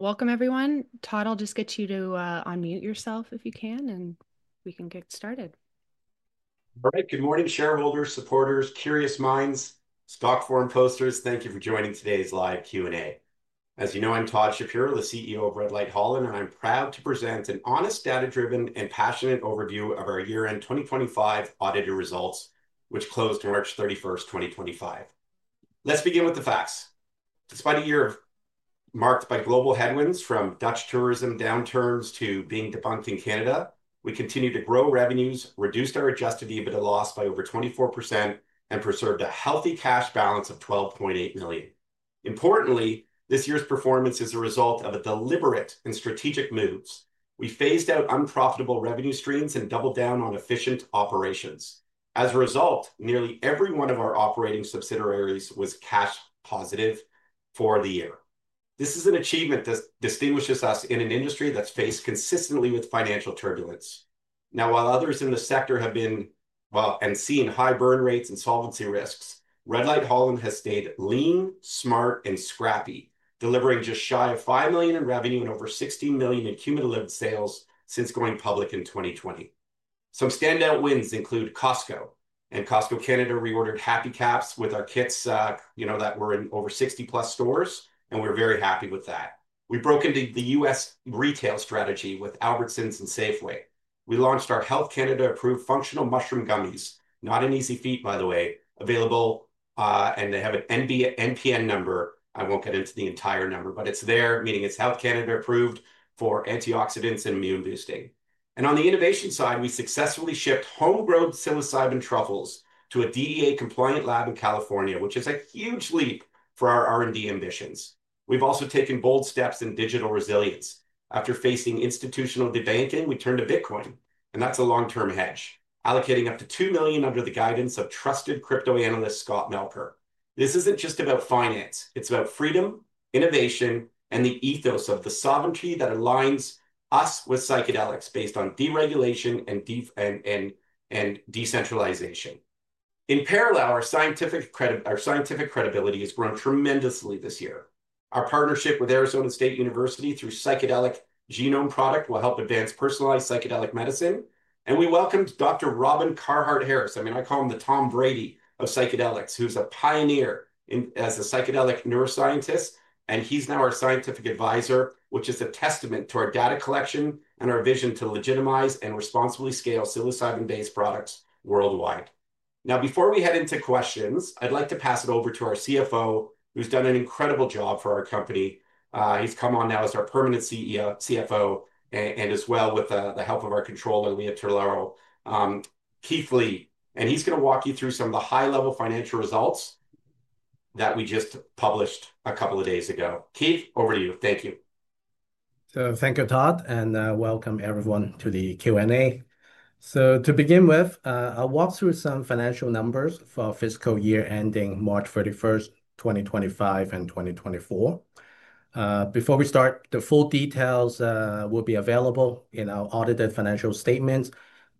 Welcome, everyone. Todd, I'll just get you to unmute yourself if you can, and we can get started. All right. Good morning, shareholders, supporters, curious minds, stock forum posters. Thank you for joining today's live Q&A. As you know, I'm Todd Shapiro, the CEO of Red Light Holland, and I'm proud to present an honest, data-driven, and passionate overview of our year-end 2025 auditor results, which closed March 31st, 2025. Let's begin with the facts. Despite a year marked by global headwinds, from Dutch tourism downturns to being debanked in Canada, we continued to grow revenues, reduced our adjusted EBITDA loss by over 24%, and preserved a healthy cash balance of $12.8 million. Importantly, this year's performance is a result of deliberate and strategic moves. We phased out unprofitable revenue streams and doubled down on efficient operations. As a result, nearly every one of our operating subsidiaries was cash positive for the year. This is an achievement that distinguishes us in an industry that's faced consistently with financial turbulence. While others in the sector have seen high burn rates and solvency risks, Red Light Holland has stayed lean, smart, and scrappy, delivering just shy of $5 million in revenue and over $16 million in cumulative sales since going public in 2020. Some standout wins include Costco Canada. At Costco Canada, we ordered Happy Caps with our kits, you know, that were in over 60 plus stores, and we're very happy with that. We broke into the U.S. retail strategy with Albertsons and Safeway. We launched our Health Canada-approved functional mushroom gummies, not an easy feat, by the way, available, and they have an NPN number. I won't get into the entire number, but it's there, meaning it's Health Canada-approved for antioxidants and immune boosting. On the innovation side, we successfully shipped homegrown psilocybin truffles to a DEA-compliant lab in California, which is a huge leap for our R&D ambitions. We've also taken bold steps in digital resilience. After facing institutional debanking, we turned to Bitcoin, and that's a long-term hedge, allocating up to $2 million under the guidance of trusted crypto analyst Scott Melker. This isn't just about finance. It's about freedom, innovation, and the ethos of the sovereignty that aligns us with psychedelics based on deregulation and decentralization. In parallel, our scientific credibility has grown tremendously this year. Our partnership with Arizona State University through Psychedelic Genome Product will help advance personalized psychedelic medicine. We welcomed Dr. Robin Carhart-Harris. I mean, I call him the Tom Brady of psychedelics, who's a pioneer as a psychedelic neuroscientist. He's now our Scientific Advisor, which is a testament to our data collection and our vision to legitimize and responsibly scale psilocybin-based products worldwide. Before we head into questions, I'd like to pass it over to our CFO, who's done an incredible job for our company. He's come on now as our permanent CFO, and as well with the help of our Controller, Leah, Keith Li. He's going to walk you through some of the high-level financial results that we just published a couple of days ago. Keith, over to you. Thank you. Thank you, Todd, and welcome everyone to the Q&A. To begin with, I'll walk through some financial numbers for our fiscal year ending March 31st, 2025 and 2024. Before we start, the full details will be available in our audited financial statements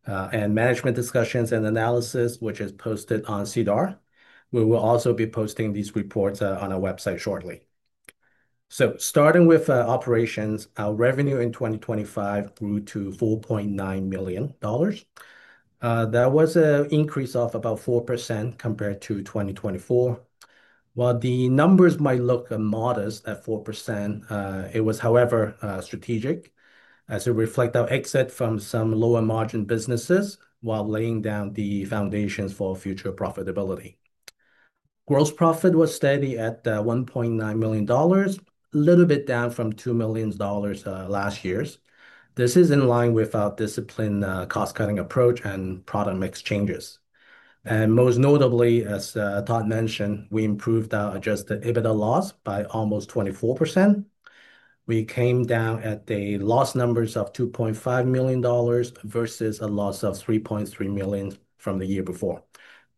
and management discussions and analysis, which is posted on SEDAR. We will also be posting these reports on our website shortly. Starting with operations, our revenue in 2025 grew to $4.9 million. That was an increase of about 4% compared to 2024. While the numbers might look modest at 4%, it was, however, strategic, as it reflects our exit from some lower margin businesses while laying down the foundations for future profitability. Gross profit was steady at $1.9 million, a little bit down from $2 million last year. This is in line with our disciplined cost-cutting approach and product mix changes. Most notably, as Todd mentioned, we improved our adjusted EBITDA loss by almost 24%. We came down at the loss numbers of $2.5 million versus a loss of $3.3 million from the year before.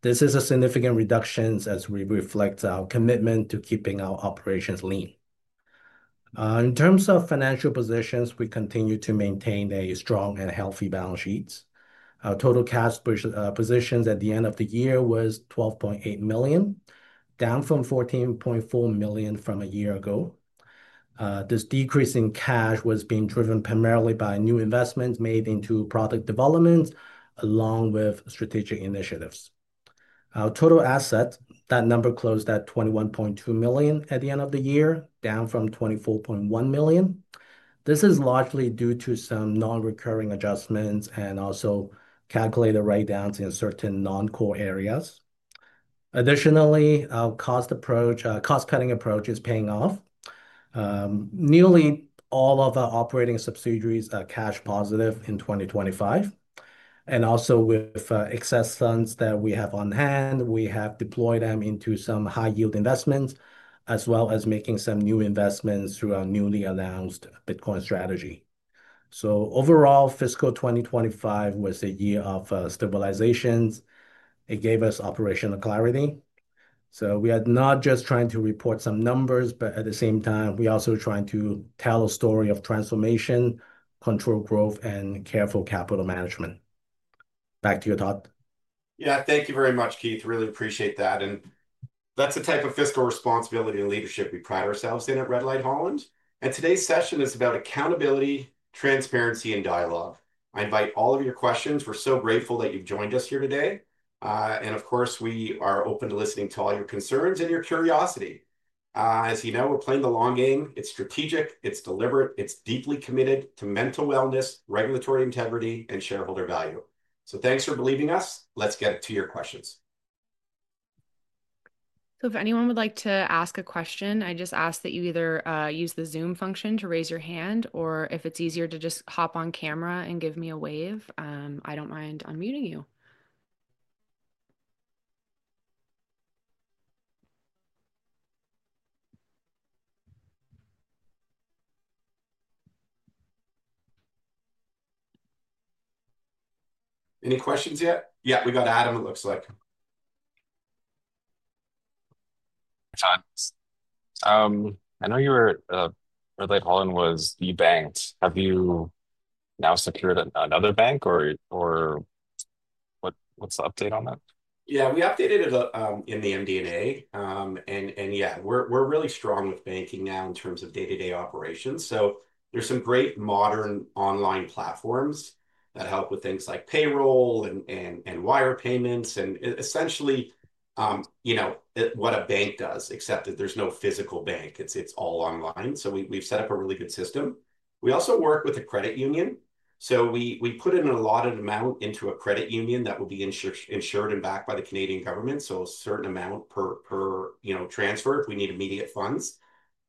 This is a significant reduction as we reflect our commitment to keeping our operations lean. In terms of financial positions, we continue to maintain a strong and healthy balance sheet. Our total cash positions at the end of the year were $12.8 million, down from $14.4 million from a year ago. This decrease in cash was being driven primarily by new investments made into product development, along with strategic initiatives. Our total assets, that number closed at $21.2 million at the end of the year, down from $24.1 million. This is largely due to some non-recurring adjustments and also calculated write-downs in certain non-core areas. Additionally, our cost-cutting approach is paying off. Nearly all of our operating subsidiaries are cash positive in 2025. Also, with excess funds that we have on hand, we have deployed them into some high-yield investments, as well as making some new investments through our newly announced Bitcoin strategy. Overall, fiscal 2025 was a year of stabilization. It gave us operational clarity. We are not just trying to report some numbers, but at the same time, we are also trying to tell a story of transformation, controlled growth, and careful capital management. Back to you, Todd. Thank you very much, Keith. Really appreciate that. That's the type of fiscal responsibility and leadership we pride ourselves in at Red Light Holland. Today's session is about accountability, transparency, and dialogue. I invite all of your questions. We're so grateful that you've joined us here today. Of course, we are open to listening to all your concerns and your curiosity. As you know, we're playing the long game. It's strategic, deliberate, and deeply committed to mental wellness, regulatory integrity, and shareholder value. Thanks for believing us. Let's get to your questions. If anyone would like to ask a question, I just ask that you either use the Zoom function to raise your hand, or if it's easier to just hop on camera and give me a wave, I don't mind unmuting you. Any questions yet? Yeah, we got Adam, it looks like. Hi, Todd. I know you were at Red Light Holland, was you banked. Have you now secured another bank, or what's the update on that? Yeah, we updated in the MD&A. We're really strong with banking now in terms of day-to-day operations. There are some great modern online platforms that help with things like payroll and wire payments and essentially, you know, what a bank does, except that there's no physical bank. It's all online. We've set up a really good system. We also work with a credit union. We put in a lot of the amount into a credit union that will be insured and backed by the Canadian government. A certain amount per transfer if we need immediate funds.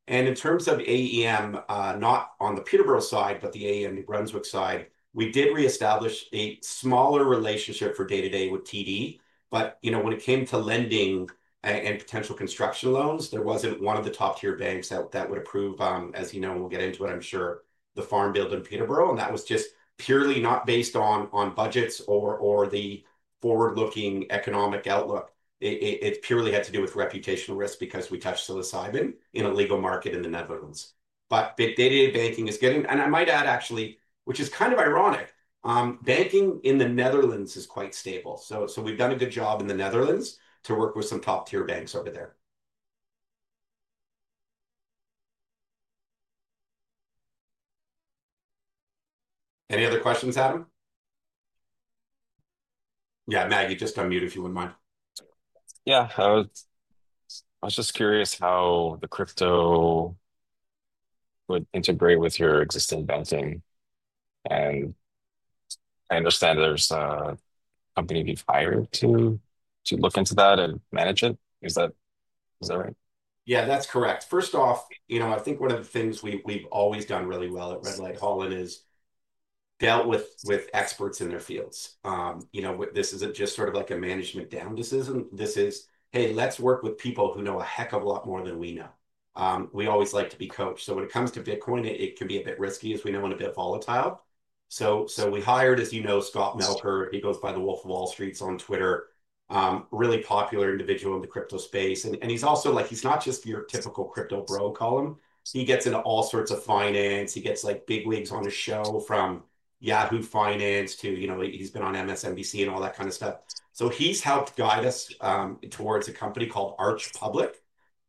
In terms of AEM, not on the Peterborough side, but the AEM New Brunswick side, we did reestablish a smaller relationship for day-to-day with TD. When it came to lending and potential construction loans, there wasn't one of the top-tier banks that would approve, as you know, and we'll get into it, I'm sure, the Farm Build in Peterborough. That was just purely not based on budgets or the forward-looking economic outlook. It purely had to do with reputational risk because we touched psilocybin in a legal market in the Netherlands. Day-to-day banking is good. I might add, actually, which is kind of ironic, banking in the Netherlands is quite stable. We've done a good job in the Netherlands to work with some top-tier banks over there. Any other questions, Adam? Yeah, Maggie, just unmute if you wouldn't mind. I was just curious how the crypto would integrate with your existing banking. I understand there's a company you've hired to look into that and manage it. Is that right? Yeah, that's correct. First off, I think one of the things we've always done really well at Red Light Holland is dealt with experts in their fields. This isn't just sort of like a management down decision. This is, hey, let's work with people who know a heck of a lot more than we know. We always like to be coached. When it comes to Bitcoin, it can be a bit risky, as we know, and a bit volatile. We hired, as you know, Scott Melker. He goes by the Wolf of Wall Street on Twitter. Really popular individual in the crypto space. He's also like, he's not just your typical crypto bro, Colin. He gets into all sorts of finance. He gets big wings on his show from Yahoo Finance to, you know, he's been on MSNBC and all that kind of stuff. He's helped guide us towards a company called Arch Public.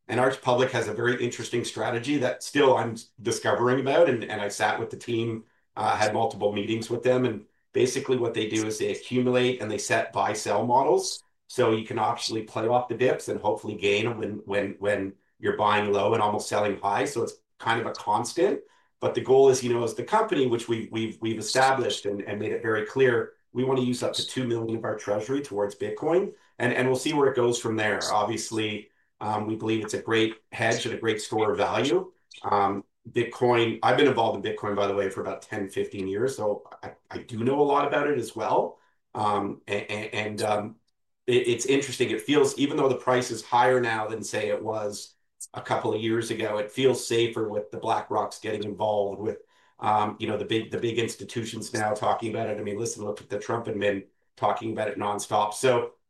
Arch Public has a very interesting strategy that still I'm discovering about. I've sat with the team, had multiple meetings with them. Basically what they do is they accumulate and they set buy-sell models. You can obviously play off the dips and hopefully gain when you're buying low and almost selling high. It's kind of a constant. The goal is, as the company, which we've established and made it very clear, we want to use up to $2 million of our treasury towards Bitcoin. We'll see where it goes from there. Obviously, we believe it's a great hedge and a great store of value. Bitcoin, I've been involved in Bitcoin, by the way, for about 10-15 years. I do know a lot about it as well. It's interesting. It feels, even though the price is higher now than, say, it was a couple of years ago, it feels safer with BlackRock getting involved with the big institutions now talking about it. I mean, listen, look at the Trump admin talking about it nonstop.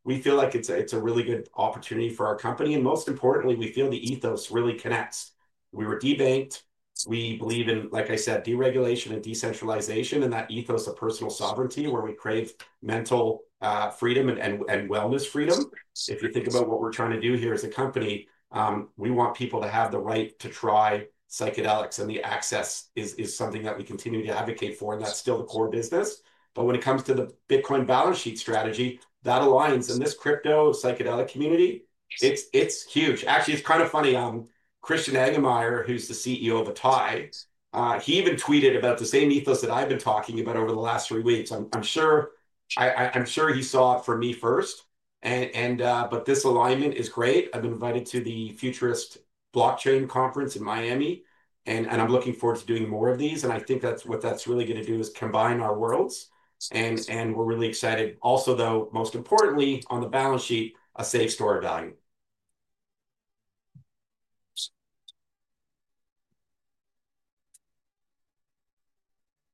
We feel like it's a really good opportunity for our company. Most importantly, we feel the ethos really connects. We were debanked. We believe in, like I said, deregulation and decentralization and that ethos of personal sovereignty where we crave mental freedom and wellness freedom. If you think about what we're trying to do here as a company, we want people to have the right to try psychedelics. The access is something that we continue to advocate for. That's still the core business. When it comes to the Bitcoin balance sheet strategy, that alliance in this crypto psychedelic community, it's huge. Actually, it's kind of funny. Christian Angermayer, who's the CEO of Atai, he even tweeted about the same ethos that I've been talking about over the last three weeks. I'm sure he saw it from me first. This alignment is great. I've been invited to the Futurist Blockchain Conference in Miami. I'm looking forward to doing more of these. I think what that's really going to do is combine our worlds. We're really excited. Also, though, most importantly, on the balance sheet, a safe store of value.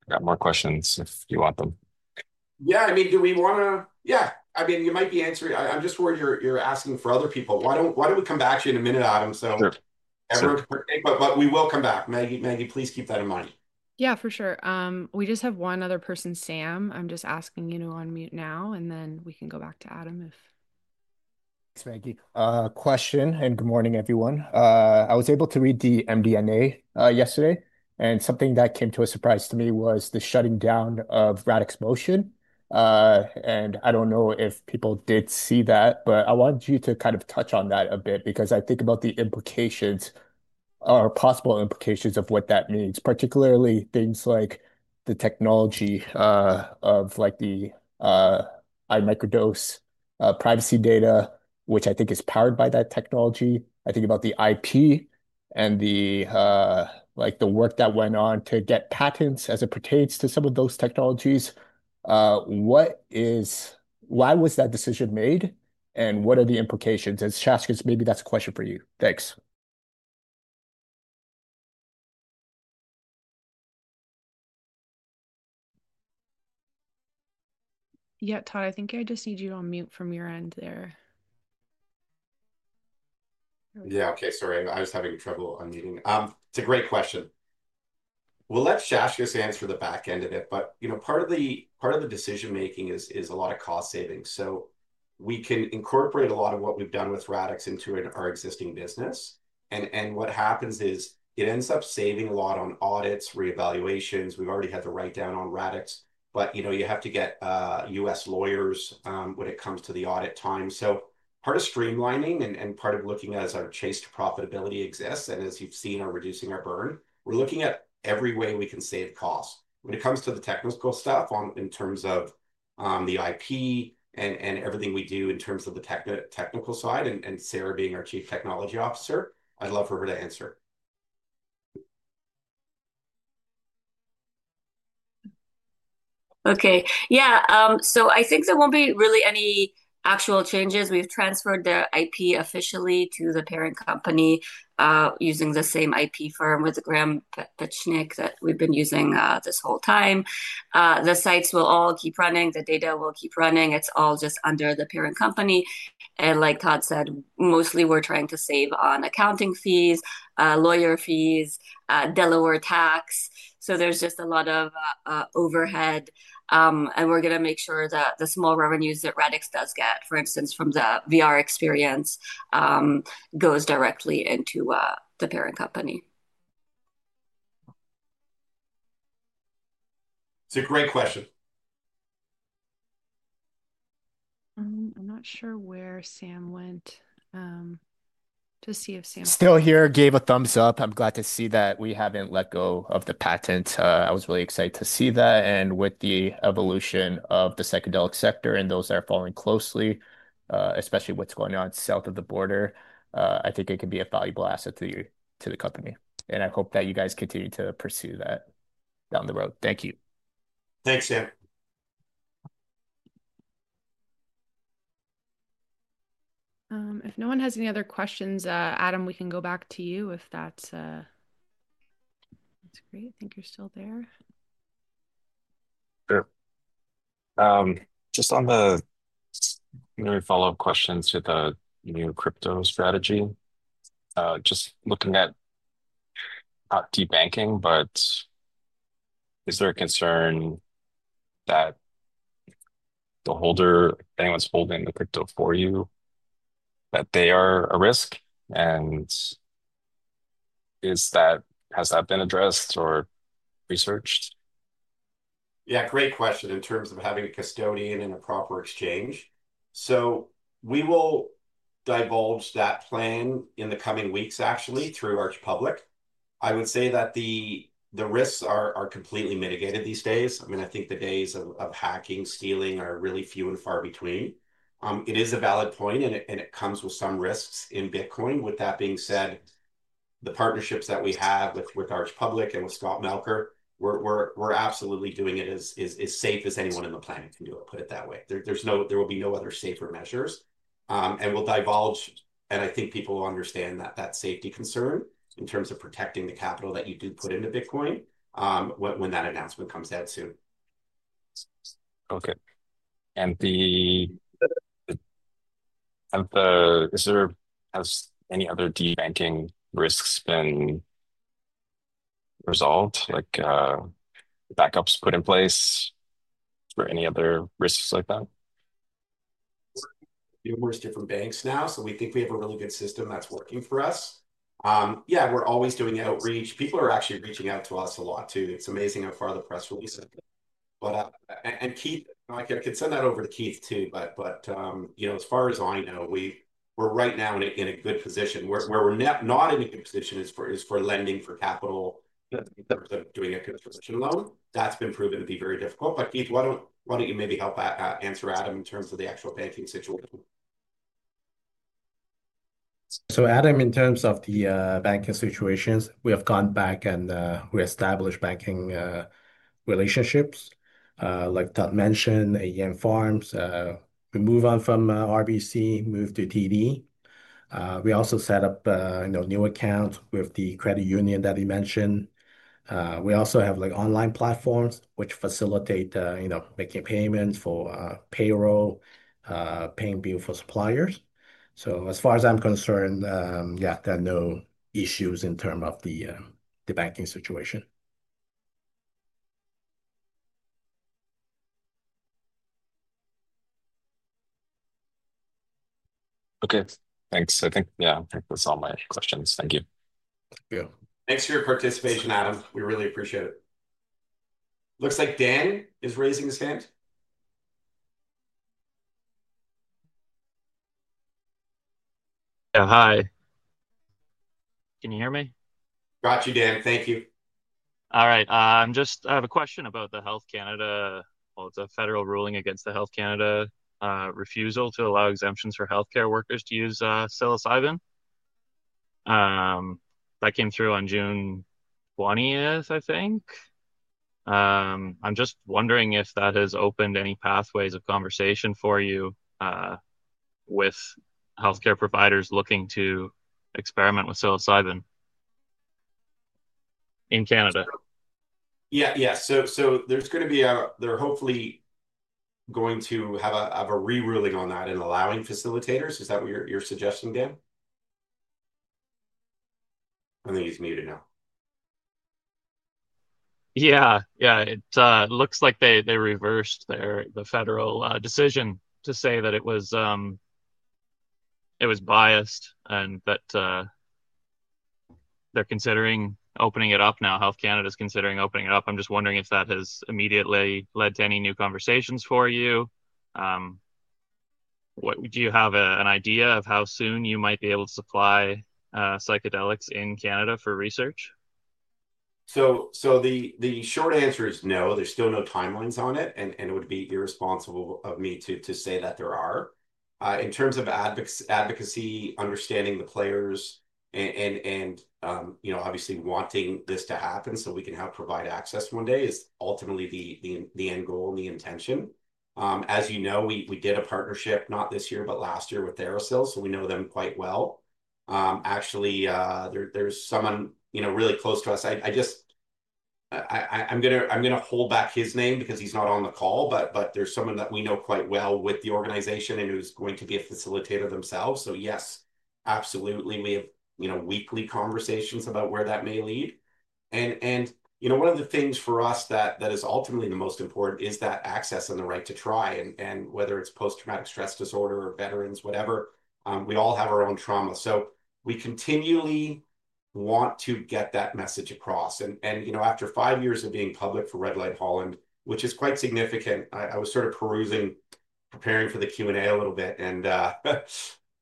I've got more questions if you want them. Yeah, do we want to, you might be answering, I'm just worried you're asking for other people. Why don't we come back to you in a minute, Adam? Everyone can participate, but we will come back. Maggie, please keep that in mind. Yeah, for sure. We just have one other person, Sam. I'm just asking, you know, on mute now, and then we can go back to Adam if. Thanks, Maggie. Question, and good morning, everyone. I was able to read the MD&A yesterday, and something that came as a surprise to me was the shutting down of Radix Motion. I don't know if people did see that, but I wanted you to touch on that a bit because I think about the implications or possible implications of what that means, particularly things like the technology of the iMicrodose privacy data, which I think is powered by that technology. I think about the IP and the work that went on to get patents as it pertains to some of those technologies. What is, why was that decision made? What are the implications? Hashkes, maybe that's a question for you. Thanks. Yeah, Todd, I think I just need you to unmute from your end. Yeah, okay, sorry, I was having trouble unmuting. It's a great question. We'll let Hashkes answer the back end of it, but part of the decision making is a lot of cost savings. We can incorporate a lot of what we've done with Radix into our existing business. What happens is it ends up saving a lot on audits, reevaluations. We've already had the write-down on Radix, but you have to get U.S. lawyers when it comes to the audit time. Part of streamlining and part of looking at it is our chase to profitability exists. As you've seen, we're reducing our burn. We're looking at every way we can save costs. When it comes to the technical stuff in terms of the IP and everything we do in terms of the technical side, and Sarah being our Chief Technology Officer, I'd love for her to answer. Okay, yeah, I think there won't be really any actual changes. We've transferred their IP officially to the parent company, using the same IP firm with Graham Pechenik that we've been using this whole time. The sites will all keep running. The data will keep running. It's all just under the parent company. Like Todd said, mostly we're trying to save on accounting fees, lawyer fees, Delaware tax. There's just a lot of overhead. We're going to make sure that the small revenues that Radix does get, for instance, from the VR experience, go directly into the parent company. It's a great question. I'm not sure where Sam went. Just see if Sam. Still here, gave a thumbs up. I'm glad to see that we haven't let go of the patent. I was really excited to see that. With the evolution of the psychedelic sector and those that are following closely, especially what's going on south of the border, I think it can be a valuable asset to the company. I hope that you guys continue to pursue that down the road. Thank you. Thanks, yeah. If no one has any other questions, Adam, we can go back to you if that's great. I think you're still there. Sure. On the follow-up questions to the new crypto strategy, just looking at debanking, is there a concern that the holder, anyone's holding the crypto for you, that they are a risk? Is that, has that been addressed or researched? Yeah, great question in terms of having a custodian in a proper exchange. We will divulge that plan in the coming weeks, actually, through Arch Public. I would say that the risks are completely mitigated these days. I think the days of hacking, stealing are really few and far between. It is a valid point, and it comes with some risks in Bitcoin. With that being said, the partnerships that we have with Arch Public and with Scott Melker, we're absolutely doing it as safe as anyone on the planet can do it. Put it that way. There will be no other safer measures. We'll divulge, and I think people will understand that safety concern in terms of protecting the capital that you do put into Bitcoin when that announcement comes out soon. Has any other debanking risks been resolved, like backups put in place or any other risks like that? Numerous different banks now, so we think we have a really good system that's working for us. Yeah, and we're always doing outreach. People are actually reaching out to us a lot too. It's amazing how far the press release is. Keith, I can send that over to Keith too, but you know, as far as I know, we're right now in a good position. Where we're not in a good position is for lending for capital that are doing it for the fortune alone. That's been proven to be very difficult. Keith, why don't you maybe help answer Adam in terms of the actual banking situation? Adam, in terms of the banking situations, we have gone back and reestablished banking relationships. Like Todd mentioned, AEM Farms, we moved on from RBC, moved to TD. We also set up a new account with the credit union that he mentioned. We also have online platforms which facilitate making payments for payroll, paying bills for suppliers. As far as I'm concerned, there are no issues in terms of the banking situation. Okay, thanks. I think that's all my questions. Thank you. Thanks for your participation, Adam. We really appreciate it. Looks like Dan is raising his hand. Yeah, hi. Can you hear me? Got you, Dan. Thank you. All right. I just have a question about the Health Canada, or the federal ruling against the Health Canada refusal to allow exemptions for healthcare workers to use psilocybin. That came through on June 20th, I think. I'm just wondering if that has opened any pathways of conversation for you with healthcare providers looking to experiment with psilocybin in Canada. Yeah. There's going to be, they're hopefully going to have a reruling on that and allowing facilitators. Is that what you're suggesting, Dan? I think he's muted now. Yeah, yeah. It looks like they reversed the federal decision to say that it was biased, but they're considering opening it up now. Health Canada is considering opening it up. I'm just wondering if that has immediately led to any new conversations for you. Do you have an idea of how soon you might be able to supply psychedelics in Canada for research? The short answer is no. There's still no timelines on it, and it would be irresponsible of me to say that there are. In terms of advocacy, understanding the players, and obviously wanting this to happen so we can provide access one day is ultimately the end goal and the intention. As you know, we did a partnership, not this year, but last year with Therasil, so we know them quite well. Actually, there's someone really close to us. I'm going to hold back his name because he's not on the call, but there's someone that we know quite well with the organization and who's going to be a facilitator themselves. Yes, absolutely, we may have weekly conversations about where that may lead. One of the things for us that is ultimately the most important is that access and the right to try. Whether it's post-traumatic stress disorder or veterans, whatever, we all have our own trauma. We continually want to get that message across. After five years of being public for Red Light Holland, which is quite significant, I was sort of perusing, preparing for the Q&A a little bit, and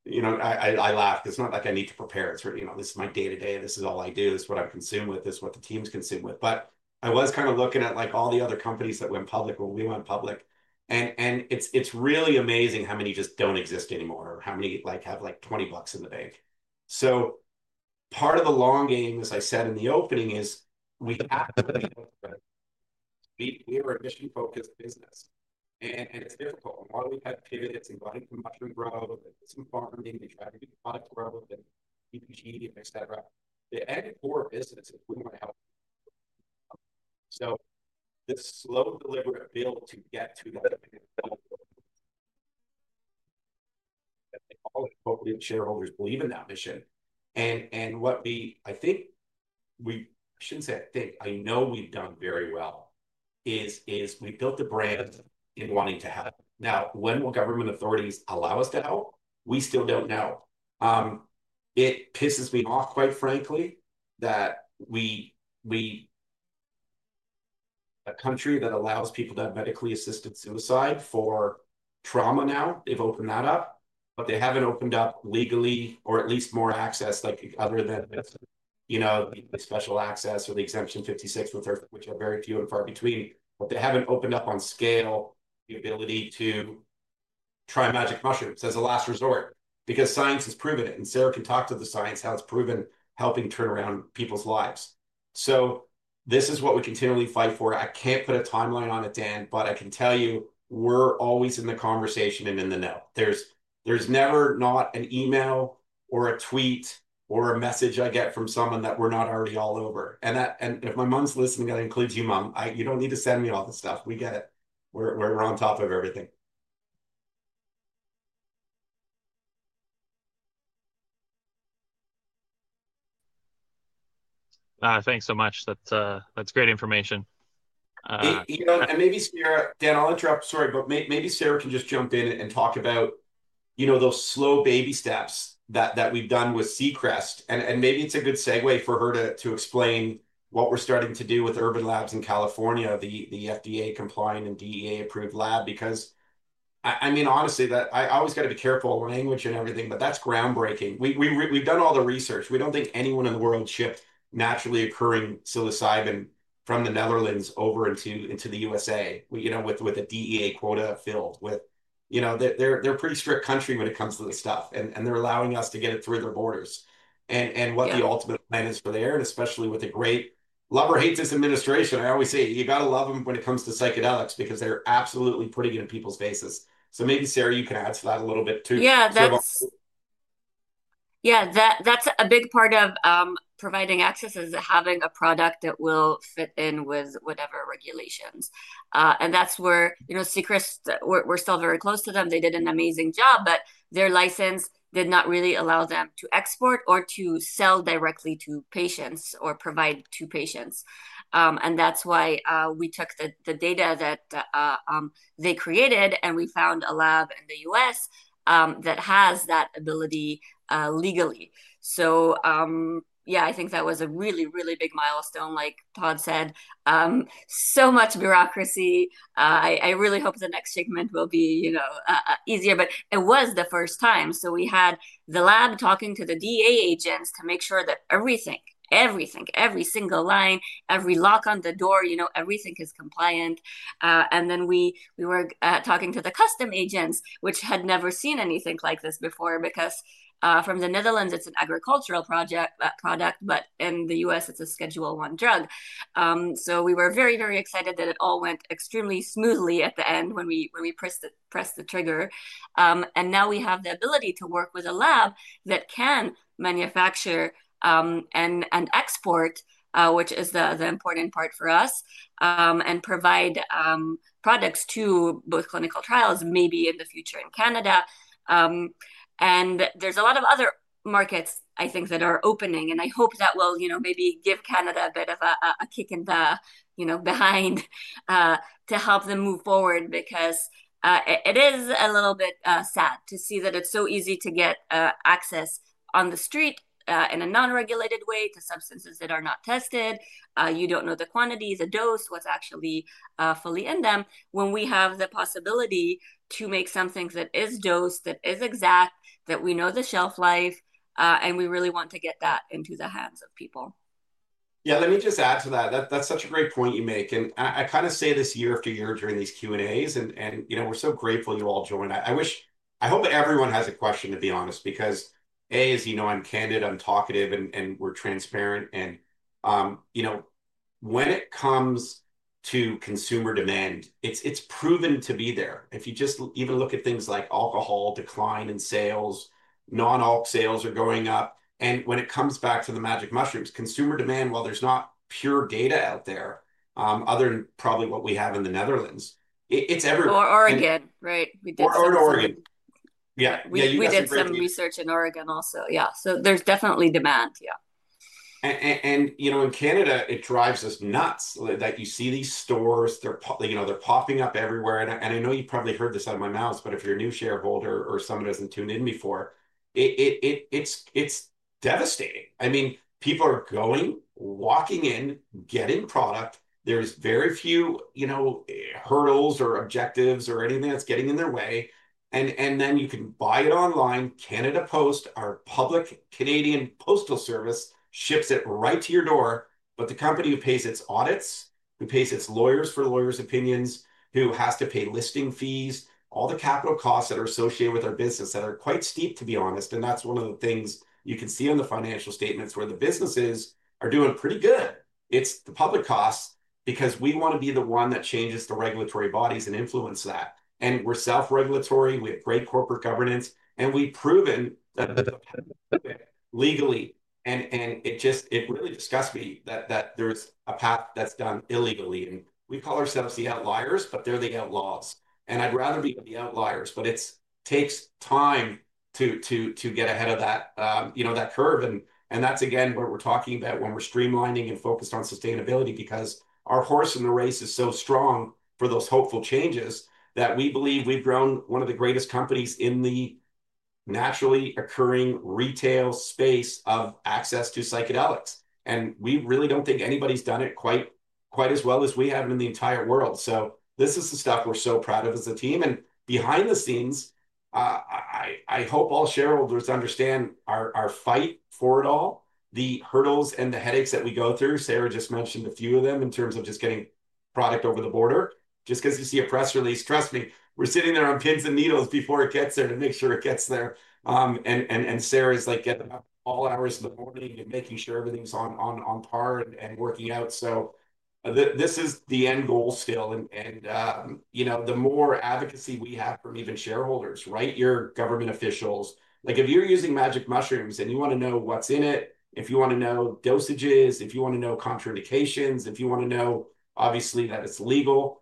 I laughed. It's not like I need to prepare. This is my day-to-day, and this is all I do. This is what I'm consumed with. This is what the team's consumed with. I was kind of looking at all the other companies that went public when we went public. It's really amazing how many just don't exist anymore or how many have like $20 in the bank. Part of the long game, as I said in the opening, is we have access to the books, but we are a mission-focused business. It's difficult. While we have candidates and gotten production growth and some funding to try to get the product growth and even GD, etc., the end core of business is we want to help. This slow delivery of build to get to that, hopefully shareholders believe in that mission. What we, I think, we shouldn't say I think, I know we've done very well is we've built the brand in wanting to help. Now, when will government authorities allow us to help? We still don't know. It pisses me off, quite frankly, that we, a country that allows people to have medically assisted suicide for trauma now, they've opened that up, but they haven't opened up legally or at least more access, like other benefits, you know, the special access or the exemption 56, which are very few and far between, but they haven't opened up on scale the ability to try magic mushrooms as a last resort because science has proven it. Sarah can talk to the science, how it's proven helping turn around people's lives. This is what we continually fight for. I can't put a timeline on it, Dan, but I can tell you we're always in the conversation and in the know. There's never not an email or a tweet or a message I get from someone that we're not already all over. If my mom's listening, that includes you, mom. You don't need to send me all this stuff. We get it. We're on top of everything. Thanks so much. That's great information. You know. Maybe Sarah, Dan, I'll interrupt. Sorry, but maybe Sarah can just jump in and talk about those slow baby steps that we've done with Seacrest. Maybe it's a good segue for her to explain what we're starting to do with Irvine Labs in California, the DEA-compliant and FDA-approved lab, because, honestly, I always got to be careful of language and everything, but that's groundbreaking. We've done all the research. We don't think anyone in the world shipped naturally occurring psilocybin truffles from the Netherlands over into the U.S., with a DEA quota filled. They're a pretty strict country when it comes to this stuff, and they're allowing us to get it through their borders. What the ultimate plan is for there, and especially with the great love or hate this administration, I always say you got to love them when it comes to psychedelics because they're absolutely putting it in people's faces. Maybe Sarah, you can add to that a little bit too. Yeah, that's a big part of providing access is having a product that will fit in with whatever regulations. That's where, you know, Seacrest, we're still very close to them. They did an amazing job, but their license did not really allow them to export or to sell directly to patients or provide to patients. That's why we took the data that they created, and we found a lab in the U.S. that has that ability legally. I think that was a really, really big milestone, like Todd said. So much bureaucracy. I really hope the next shipment will be easier, but it was the first time. We had the lab talking to the DEA agents to make sure that everything, everything, every single line, every lock on the door, everything is compliant. We were talking to the custom agents, which had never seen anything like this before because from the Netherlands, it's an agricultural product, but in the U.S., it's a Schedule I drug. We were very, very excited that it all went extremely smoothly at the end when we pressed the trigger. Now we have the ability to work with a lab that can manufacture and export, which is the important part for us, and provide products to both clinical trials, maybe in the future in Canada. There are a lot of other markets, I think, that are opening. I hope that will, you know, maybe give Canada a bit of a kick in the, you know, behind to help them move forward because it is a little bit sad to see that it's so easy to get access on the street in a non-regulated way to substances that are not tested. You don't know the quantity, the dose, what's actually fully in them when we have the possibility to make something that is dosed, that is exact, that we know the shelf life, and we really want to get that into the hands of people. Let me just add to that. That's such a great point you make. I kind of say this year after year during these Q&As, and we're so grateful you all joined. I wish, I hope everyone has a question, to be honest, because A, as you know, I'm candid, I'm talkative, and we're transparent. When it comes to consumer demand, it's proven to be there. If you just even look at things like alcohol decline in sales, non-alc sales are going up. When it comes back to the magic mushrooms, consumer demand, while there's not pure data out there, other than probably what we have in the Netherlands, it's everywhere. Oregon, right? Oregon. Yeah. We did some research in Oregon also. There's definitely demand. You know, in Canada, it drives us nuts. You see these stores, they're popping up everywhere. I know you probably heard this out of my mouth, but if you're a new shareholder or someone who hasn't tuned in before, it's devastating. People are going, walking in, getting product. There's very few hurdles or objectives or anything that's getting in their way. You can buy it online. Canada Post, our public Canadian postal service, ships it right to your door. The company who pays its audits, who pays its lawyers for lawyers' opinions, who has to pay listing fees, all the capital costs that are associated with our business that are quite steep, to be honest. That's one of the things you can see on the financial statements where the businesses are doing pretty good. It's the public costs because we want to be the one that changes the regulatory bodies and influence that. We're self-regulatory. We have great corporate governance. We've proven that legally. It really disgusts me that there's a path that's done illegally. We call ourselves the outliers, but they're the outlaws. I'd rather be the outliers, but it takes time to get ahead of that curve. That's again what we're talking about when we're streamlining and focused on sustainability because our horse in the race is so strong for those hopeful changes that we believe we've grown one of the greatest companies in the naturally occurring retail space of access to psychedelics. We really don't think anybody's done it quite as well as we have in the entire world. This is the stuff we're so proud of as a team. Behind the scenes, I hope all shareholders understand our fight for it all, the hurdles and the headaches that we go through. Sarah just mentioned a few of them in terms of just getting product over the border. Just because you see a press release, trust me, we're sitting there on pins and needles before it gets there to make sure it gets there. Sarah's getting up all hours in the morning and making sure everything's on par and working out. This is the end goal still. The more advocacy we have from even shareholders, right? Your government officials, like if you're using magic mushrooms and you want to know what's in it, if you want to know dosages, if you want to know contraindications, if you want to know, obviously, that it's legal,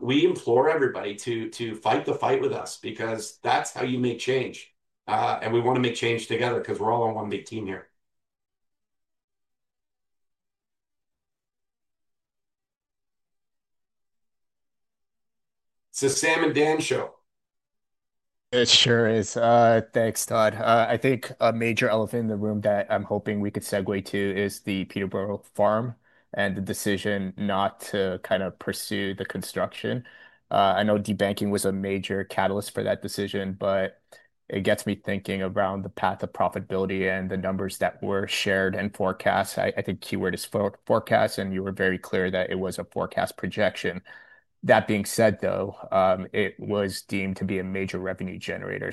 we implore everybody to fight the fight with us because that's how you make change. We want to make change together because we're all on one big team here. It's a Sam and Dan show. It sure is. Thanks, Todd. I think a major elephant in the room that I'm hoping we could segue to is the Peterborough Farm and the decision not to kind of pursue the construction. I know debanking was a major catalyst for that decision, but it gets me thinking around the path of profitability and the numbers that were shared and forecast. I think the keyword is forecast, and you were very clear that it was a forecast projection. That being said, though, it was deemed to be a major revenue generator.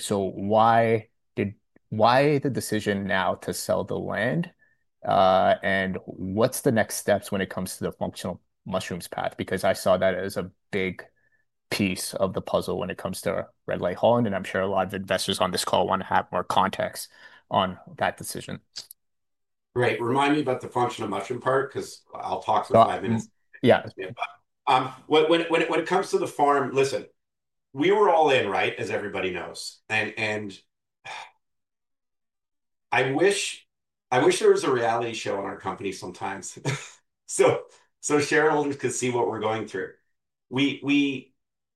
Why the decision now to sell the land? What's the next steps when it comes to the functional mushrooms path? I saw that as a big piece of the puzzle when it comes to Red Light Holland. I'm sure a lot of investors on this call want to have more context on that decision. Right. Remind me about the functional mushroom part because I'll talk about it. When it comes to the farm, listen, we were all in, right, as everybody knows. I wish there was a reality show in our company sometimes so shareholders could see what we're going through.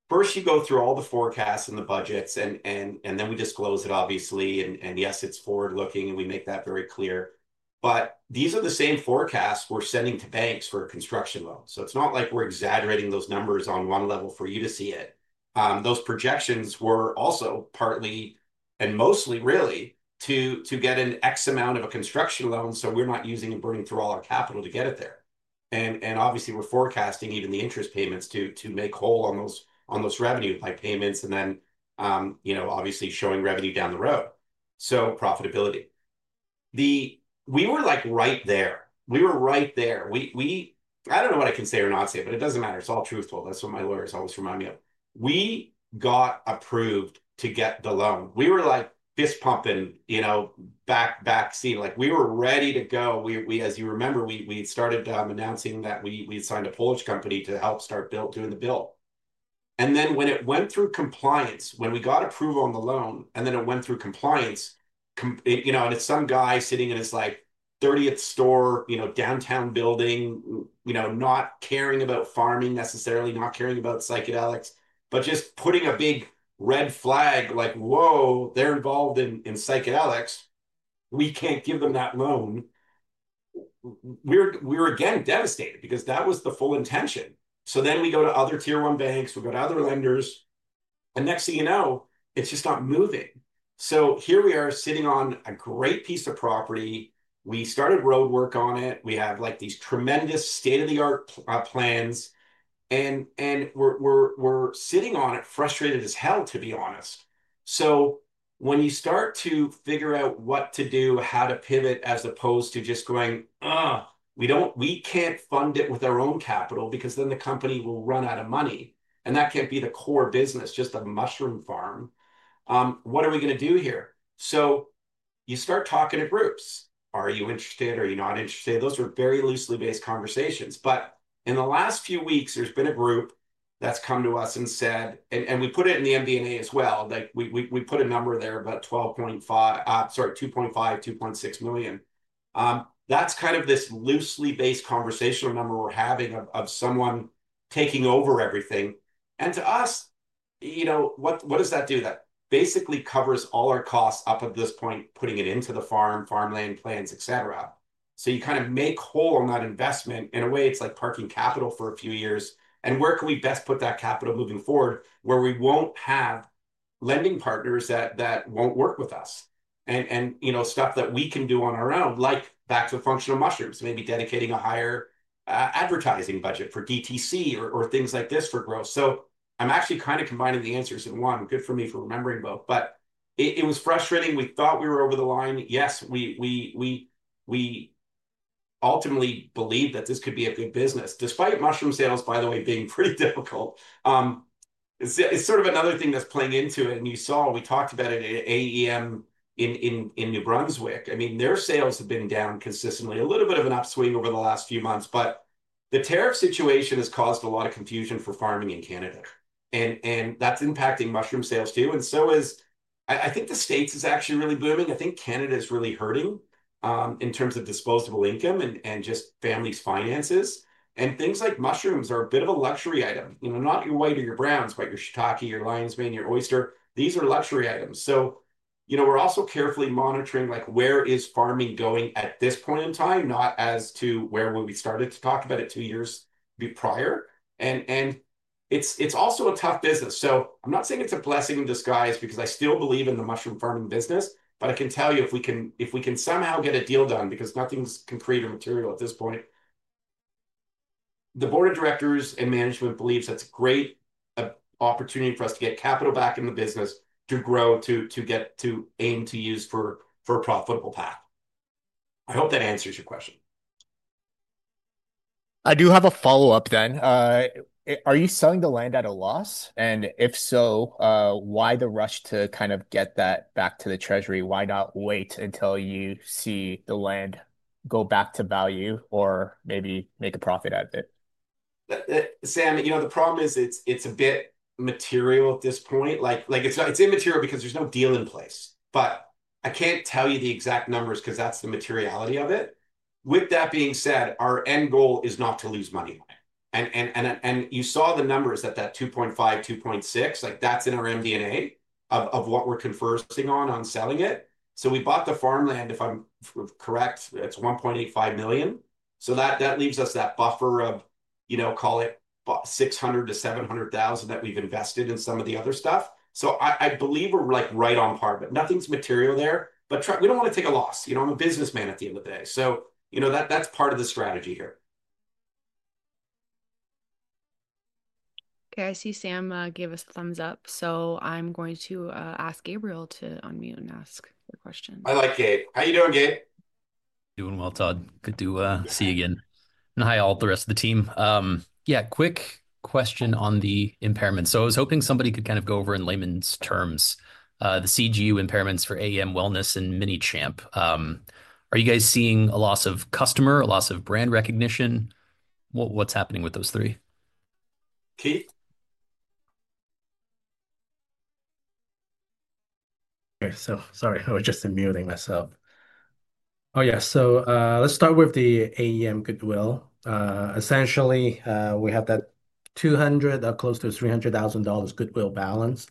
First you go through all the forecasts and the budgets, and then we disclose it, obviously. Yes, it's forward-looking, and we make that very clear. These are the same forecasts we're sending to banks for a construction loan. It's not like we're exaggerating those numbers on one level for you to see it. Those projections were also partly and mostly really to get an X amount of a construction loan. We're not using and burning through all our capital to get it there. Obviously we're forecasting even the interest payments to make whole on those, on those revenue by payments and then, you know, obviously showing revenue down the road. Profitability. We were like right there. We were right there. I don't know what I can say or not say, but it doesn't matter. It's all truthful. That's what my lawyers always remind me of. We got approved to get the loan. We were like fist pumping, you know, back seat. Like we were ready to go. As you remember, we started announcing that we signed a Polish company to help start doing the build. When it went through compliance, when we got approval on the loan, and then it went through compliance, it's some guy sitting in his 30th store, you know, downtown building, not caring about farming necessarily, not caring about psychedelics, but just putting a big red flag, like, whoa, they're involved in psychedelics. We can't give them that loan. We were again devastated because that was the full intention. We go to other tier one banks. We go to other lenders. Next thing you know, it's just not moving. Here we are sitting on a great piece of property. We started roadwork on it. We have these tremendous state-of-the-art plans. We're sitting on it frustrated as hell, to be honest. When you start to figure out what to do, how to pivot, as opposed to just going, we can't fund it with our own capital because then the company will run out of money. That can't be the core business, just a mushroom farm. What are we going to do here? You start talking to groups. Are you interested? Are you not interested? Those are very loosely based conversations. In the last few weeks, there's been a group that's come to us and said, and we put it in the MD&A as well, that we put a number there about $12.5 million, sorry, $2.5 million, $2.6 million. That's kind of this loosely based conversation or number we're having of someone taking over everything. To us, you know, what does that do? That basically covers all our costs up at this point, putting it into the farm, farmland plans, et cetera. You kind of make whole on that investment. In a way, it's like parking capital for a few years. Where can we best put that capital moving forward where we won't have lending partners that won't work with us? Stuff that we can do on our own, like back to functional mushrooms, maybe dedicating a higher advertising budget for DTC or things like this for growth. I'm actually kind of combining the answers in one. Good for me for remembering both. It was frustrating. We thought we were over the line. Yes, we ultimately believed that this could be a big business, despite mushroom sales, by the way, being pretty difficult. It's sort of another thing that's playing into it. You saw, we talked about it in AEM in New Brunswick. Their sales have been down consistently, a little bit of an upswing over the last few months. The tariff situation has caused a lot of confusion for farming in Canada. That's impacting mushroom sales too. I think the States is actually really booming. I think Canada is really hurting, in terms of disposable income and just families' finances. Things like mushrooms are a bit of a luxury item. You know, not your white or your browns, but your shiitake, your lion's mane, your oyster. These are luxury items. We're also carefully monitoring like where is farming going at this point in time, not as to where we started to talk about it two years prior. It's also a tough business. I'm not saying it's a blessing in disguise because I still believe in the mushroom farming business, but I can tell you if we can, if we can somehow get a deal done because nothing's concrete or material at this point. The Board of Directors and management believes that's a great opportunity for us to get capital back in the business to grow, to get to aim to use for a profitable path. I hope that answers your question. I do have a follow-up, Dan. Are you selling the land at a loss? If so, why the rush to kind of get that back to the treasury? Why not wait until you see the land go back to value or maybe make a profit out of it? Sam, you know, the problem is it's a bit material at this point. Like it's immaterial because there's no deal in place. I can't tell you the exact numbers because that's the materiality of it. With that being said, our end goal is not to lose money. You saw the numbers at that $2.5 million, $2.6 million, like that's in our MD&A of what we're conversing on, on selling it. We bought the farmland, if I'm correct, it's $1.85 million. That leaves us that buffer of, you know, call it $600,000-$700,000 that we've invested in some of the other stuff. I believe we're like right on par, but nothing's material there. We don't want to take a loss. You know, I'm a businessman at the end of the day. That's part of the strategy here. Okay, I see Sam gave us a thumbs up. I'm going to ask Gabriel to unmute and ask the question. I like it. How are you doing, Gabe? Doing well, Todd. Good to see you again. Hi, all the rest of the team. Quick question on the impairments. I was hoping somebody could kind of go over in layman's terms the CGU impairments for AM Wellness and MiniChamp. Are you guys seeing a loss of customer, a loss of brand recognition? What's happening with those three? Keith? Sorry, I was just unmuting myself. Yeah, let's start with the AM Goodwill. Essentially, we have that $200,000, close to $300,000 goodwill balance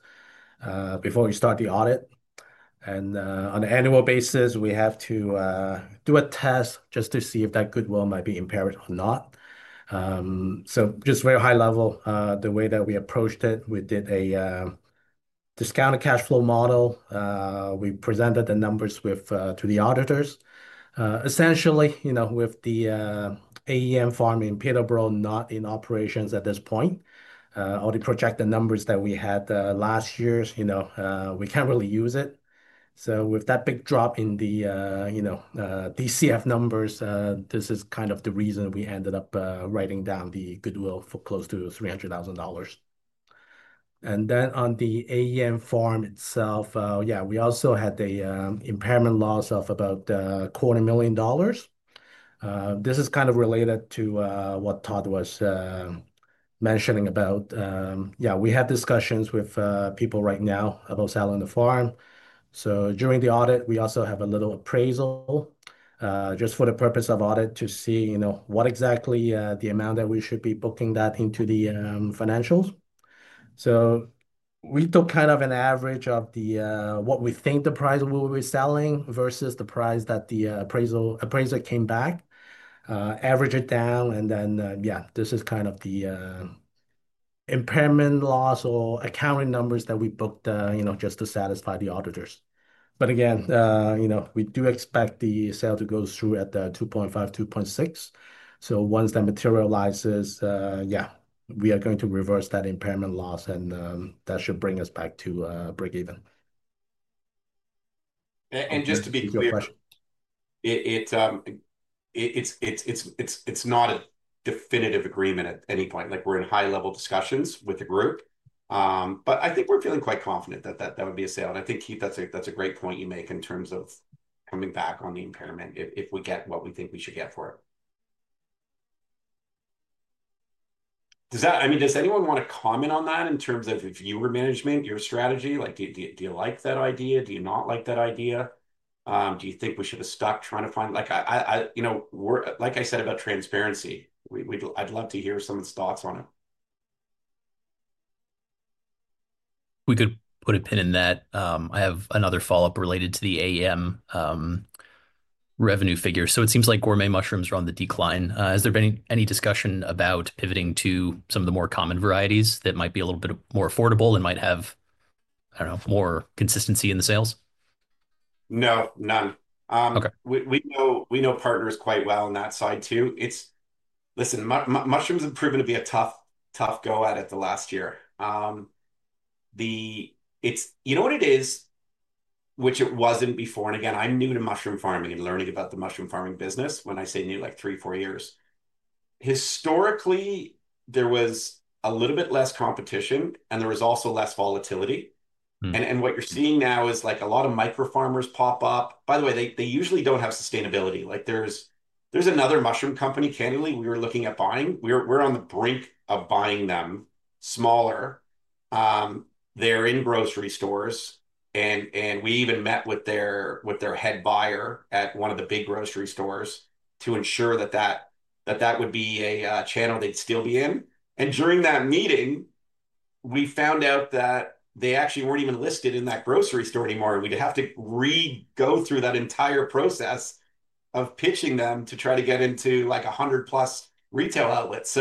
before we start the audit. On an annual basis, we have to do a test just to see if that goodwill might be impaired or not. Just very high level, the way that we approached it, we did a discounted cash flow model. We presented the numbers to the auditors. Essentially, with the AM farm in Peterborough not in operations at this point, or to project the numbers that we had last year, we can't really use it. With that big drop in the DCF numbers, this is kind of the reason we ended up writing down the goodwill for close to $300,000. On the AEM farm itself, we also had an impairment loss of about a quarter million dollars. This is kind of related to what Todd was mentioning about. We have discussions with people right now about selling the farm. During the audit, we also have a little appraisal just for the purpose of audit to see what exactly the amount that we should be booking that into the financials. We took kind of an average of what we think the price we'll be selling versus the price that the appraisal appraiser came back, averaged it down. This is kind of the impairment loss or accounting numbers that we booked just to satisfy the auditors. Again, we do expect the sale to go through at the $2.5 million, $2.6 million. Once that materializes, we are going to reverse that impairment loss, and that should bring us back to break even. Just to be clear, it's not a definitive agreement at any point. We're in high-level discussions with the group. I think we're feeling quite confident that that would be a sale. I think, Keith, that's a great point you make in terms of coming back on the impairment if we get what we think we should get for it. Does anyone want to comment on that in terms of if you were management, your strategy? Do you like that idea? Do you not like that idea? Do you think we should have stuck trying to find, like, I, you know, we're, like I said, about transparency, I'd love to hear someone's thoughts on it. We could put a pin in that. I have another follow-up related to the AM revenue figure. It seems like gourmet mushrooms are on the decline. Has there been any discussion about pivoting to some of the more common varieties that might be a little bit more affordable and might have, I don't know, more consistency in the sales? No, none. We know partners quite well on that side too. Listen, mushrooms have proven to be a tough, tough go at it the last year. It's, you know what it is, which it wasn't before. Again, I'm new to mushroom farming and learning about the mushroom farming business. When I say new, like three, four years, historically, there was a little bit less competition and there was also less volatility. What you're seeing now is a lot of micro farmers pop up. By the way, they usually don't have sustainability. There's another mushroom company. Candidly, we were looking at buying. We were on the brink of buying them, smaller. They're in grocery stores. We even met with their head buyer at one of the big grocery stores to ensure that that would be a channel they'd still be in. During that meeting, we found out that they actually weren't even listed in that grocery store anymore. We'd have to go through that entire process of pitching them to try to get into like 100+ retail outlets.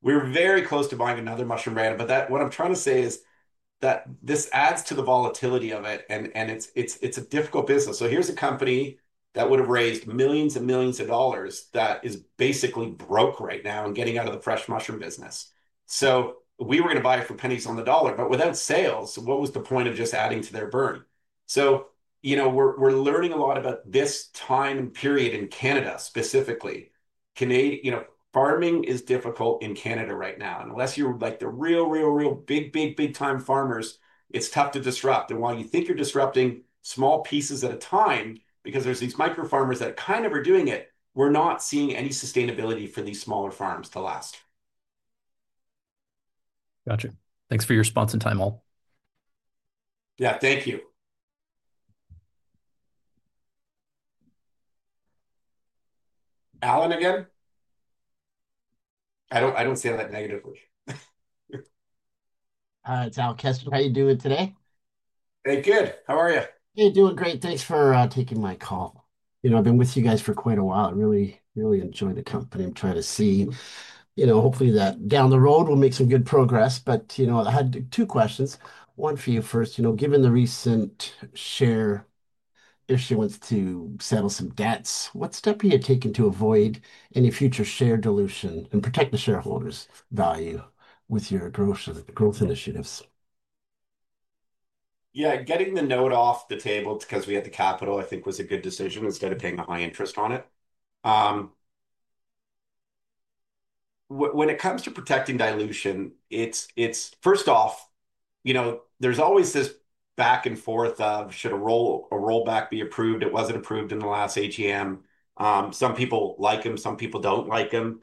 We're very close to buying another mushroom brand. What I'm trying to say is that this adds to the volatility of it, and it's a difficult business. Here's a company that would have raised millions and millions of dollars that is basically broke right now and getting out of the fresh mushroom business. We were going to buy it for pennies on the dollar, but without sales, what was the point of just adding to their burn? We're learning a lot about this time period in Canada specifically. Farming is difficult in Canada right now. Unless you're like the real, real, real big, big, big time farmers, it's tough to disrupt. While you think you're disrupting small pieces at a time, because there's these micro farmers that kind of are doing it, we're not seeing any sustainability for these smaller farms to last. Gotcha. Thanks for your response and time, all. Yeah, thank you. Alan, again, I don't say that negatively. It's Al Kessler. How are you doing today? Hey, good. How are you? Hey, doing great. Thanks for taking my call. You know, I've been with you guys for quite a while. I really, really enjoy the company. I'm trying to see, you know, hopefully that down the road we'll make some good progress. I had two questions. One for you first, you know, given the recent share issue to settle some debts, what step are you taking to avoid any future share dilution and protect the shareholders' value with your growth initiatives? Yeah, getting the note off the table because we had the capital, I think, was a good decision instead of paying a high interest on it. When it comes to protecting dilution, it's first off, you know, there's always this back and forth of should a rollback be approved? It wasn't approved in the last AGM. Some people like them. Some people don't like them.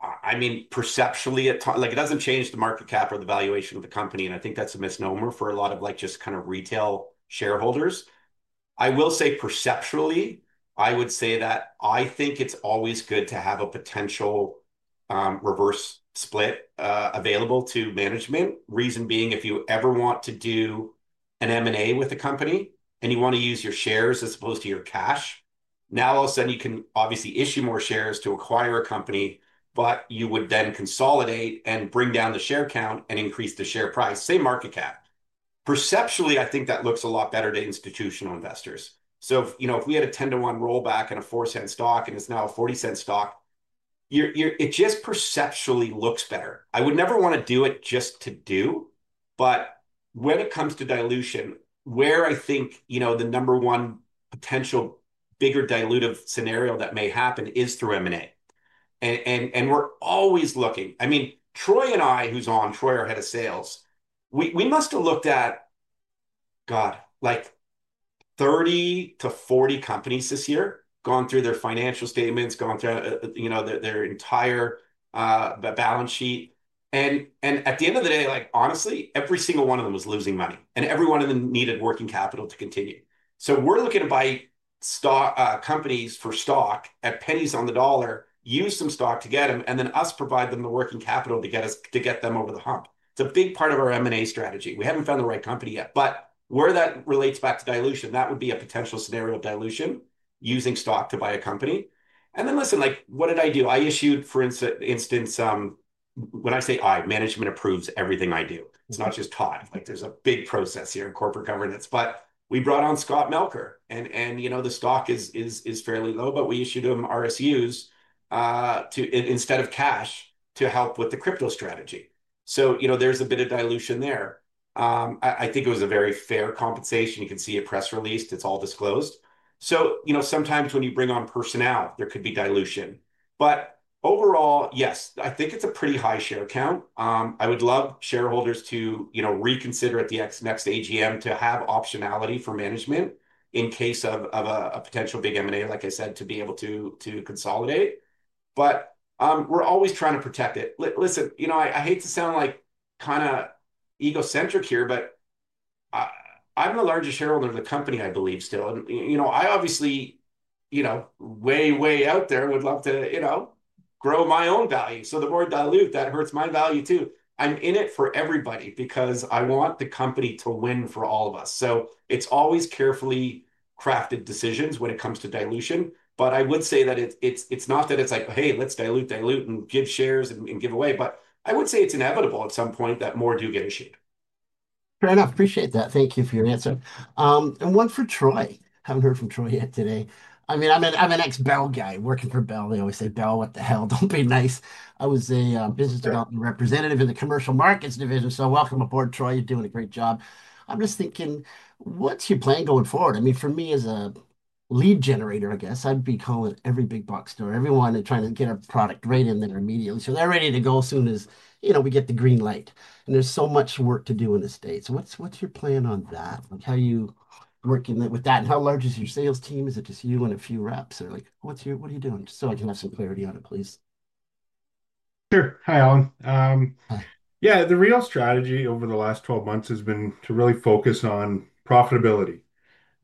I mean, perceptually, it doesn't change the market cap or the valuation of the company. I think that's a misnomer for a lot of just kind of retail shareholders. I will say perceptually, I would say that I think it's always good to have a potential reverse split available to management. Reason being, if you ever want to do an M&A with a company and you want to use your shares as opposed to your cash, now all of a sudden you can obviously issue more shares to acquire a company, but you would then consolidate and bring down the share count and increase the share price. Same market cap. Perceptually, I think that looks a lot better to institutional investors. You know, if we had a 10:1 rollback and a $0.04 stock and it's now a $0.40 stock, it just perceptually looks better. I would never want to do it just to do. When it comes to dilution, where I think, you know, the number one potential bigger dilutive scenario that may happen is through M&A. We're always looking, I mean, Troy and I, who's on, Troy our Head of Sales, we must have looked at, God, like 30-40 companies this year, going through their financial statements, going through their entire balance sheet. At the end of the day, honestly, every single one of them was losing money. Every one of them needed working capital to continue. We're looking to buy companies for stock at pennies on the dollar, use some stock to get them, and then us provide them the working capital to get us to get them over the hump. It's a big part of our M&A strategy. We haven't found the right company yet. Where that relates back to dilution, that would be a potential scenario of dilution, using stock to buy a company. Listen, like, what did I do? I issued, for instance, when I say I, management approves everything I do. It's not just Todd. There's a big process here in corporate governance. We brought on Scott Melker. The stock is fairly low, but we issued him RSUs instead of cash to help with the crypto strategy. There's a bit of dilution there. I think it was a very fair compensation. You can see a press release. It's all disclosed. Sometimes when you bring on personnel, there could be dilution. Overall, yes, I think it's a pretty high share count. I would love shareholders to reconsider at the next AGM to have optionality for management in case of a potential big M&A, like I said, to be able to consolidate. We're always trying to protect it. I hate to sound like kind of egocentric here, but I'm the largest shareholder of the company, I believe, still. I obviously, way, way out there would love to grow my own value. The more dilute, that hurts my value too. I'm in it for everybody because I want the company to win for all of us. It's always carefully crafted decisions when it comes to dilution. I would say that it's not that it's like, hey, let's dilute, dilute, and give shares and give away. I would say it's inevitable at some point that more do get issued. Fair enough. Appreciate that. Thank you for your answer. And one for Troy. Haven't heard from Troy yet today. I mean, I'm an ex-Bell guy working for Bell. They always say, "Bell, what the hell? Don't be nice." I was a Business Development Representative in the Commercial Markets division. Welcome aboard, Troy. You're doing a great job. I'm just thinking, what's your plan going forward? For me as a lead generator, I guess I'd be calling every big box store, everyone trying to get a product right in there immediately. They're ready to go as soon as, you know, we get the green light. There's so much work to do in the U.S. What's your plan on that? How are you working with that? How large is your sales team? Is it just you and a few reps? What are you doing? I would like some clarity on it, please. Sure. Hi, Alan. Yeah, the real strategy over the last 12 months has been to really focus on profitability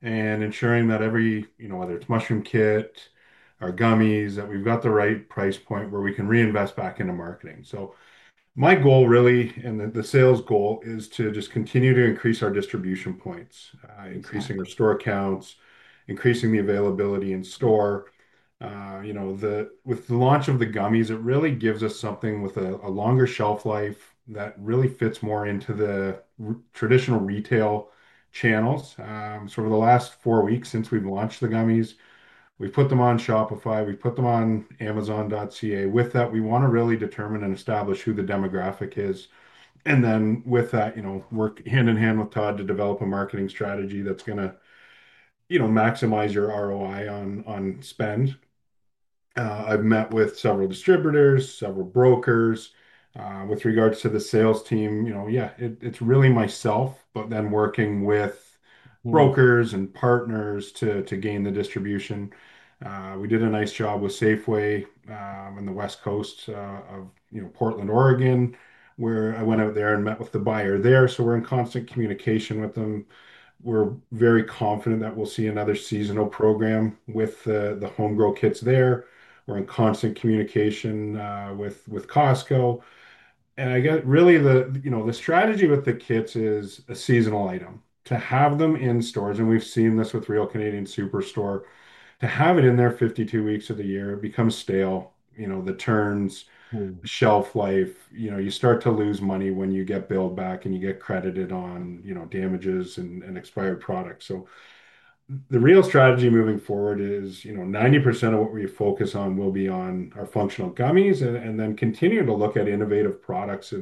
and ensuring that every, you know, whether it's mushroom kit or gummies, that we've got the right price point where we can reinvest back into marketing. My goal really, and the sales goal, is to just continue to increase our distribution points, increasing our store counts, increasing the availability in store. With the launch of the gummies, it really gives us something with a longer shelf life that really fits more into the traditional retail channels. Over the last four weeks, since we've launched the gummies, we've put them on Shopify. We've put them on amazon.ca. With that, we want to really determine and establish who the demographic is. With that, you know, work hand in hand with Todd to develop a marketing strategy that's going to, you know, maximize your ROI on spend. I've met with several distributors, several brokers. With regards to the sales team, you know, yeah, it's really myself, but then working with brokers and partners to gain the distribution. We did a nice job with Safeway on the West Coast of, you know, Portland, Oregon, where I went out there and met with the buyer there. We're in constant communication with them. We're very confident that we'll see another seasonal program with the mushroom home grow kits there. We're in constant communication with Costco Canada. I guess really the, you know, the strategy with the kits is a seasonal item. To have them in stores, and we've seen this with Real Canadian Superstore, to have it in there 52 weeks of the year, it becomes stale. The turns, the shelf life, you know, you start to lose money when you get billed back and you get credited on, you know, damages and expired products. The real strategy moving forward is, you know, 90% of what we focus on will be on our functional mushroom gummies and then continue to look at innovative products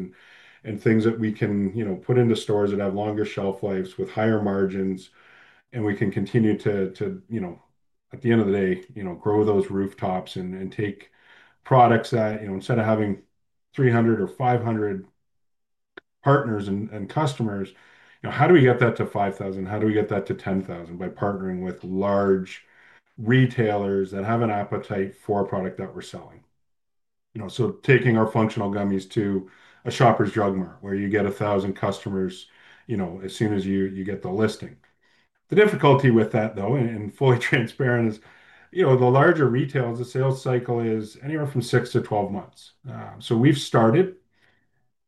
and things that we can, you know, put into stores that have longer shelf lives with higher margins. We can continue to, you know, at the end of the day, you know, grow those rooftops and take products that, you know, instead of having 300 or 500 partners and customers, you know, how do we get that to 5,000? How do we get that to 10,000? By partnering with large retailers that have an appetite for a product that we're selling. You know, taking our functional mushroom gummies to a Shoppers Drug Mart where you get 1,000 customers as soon as you get the listing. The difficulty with that, though, and fully transparent, is the larger retailers, the sales cycle is anywhere from 6 to 12 months. We've started,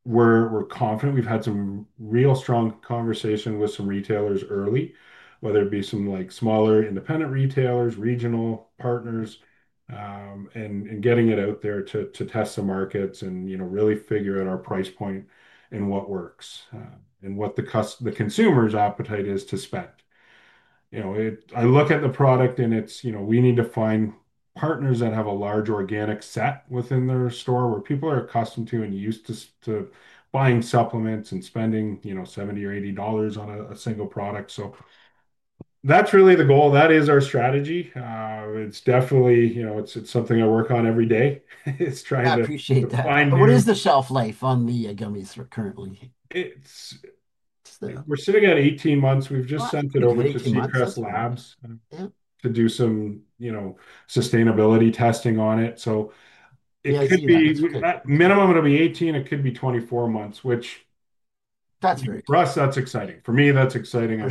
we're confident, we've had some real strong conversation with some retailers early, whether it be some smaller independent retailers, regional partners, and getting it out there to test the markets and really figure out our price point and what works and what the consumer's appetite is to spend. I look at the product and we need to find partners that have a large organic set within their store where people are accustomed to and used to buying supplements and spending $70 or $80 on a single product. That's really the goal. That is our strategy. It's definitely something I work on every day. It's trying to find. What is the shelf life on the gummies currently? We're sitting at 18 months. We've just sent it over to Seacrest Labs to do some sustainability testing on it. It could be minimum, it'll be 18. It could be 24 months, which is great for us. That's exciting for me. That's exciting.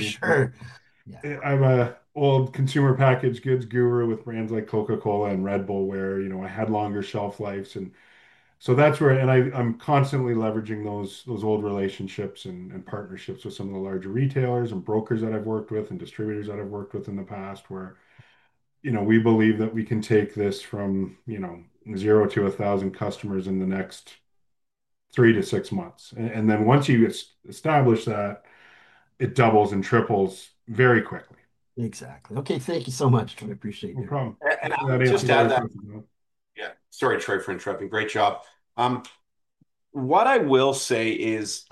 I'm an old consumer packaged goods guru with brands like Coca-Cola and Red Bull, where I had longer shelf lives. That's where I'm constantly leveraging those old relationships and partnerships with some of the larger retailers and brokers that I've worked with and distributors that I've worked with in the past, where we believe that we can take this from zero to 1,000 customers in the next three to six months. Once you establish that, it doubles and triples very quickly. Exactly. Okay, thank you so much. I appreciate it. No problem. Just to add that, Sorry, Troy, for interrupting. Great job. What I will say is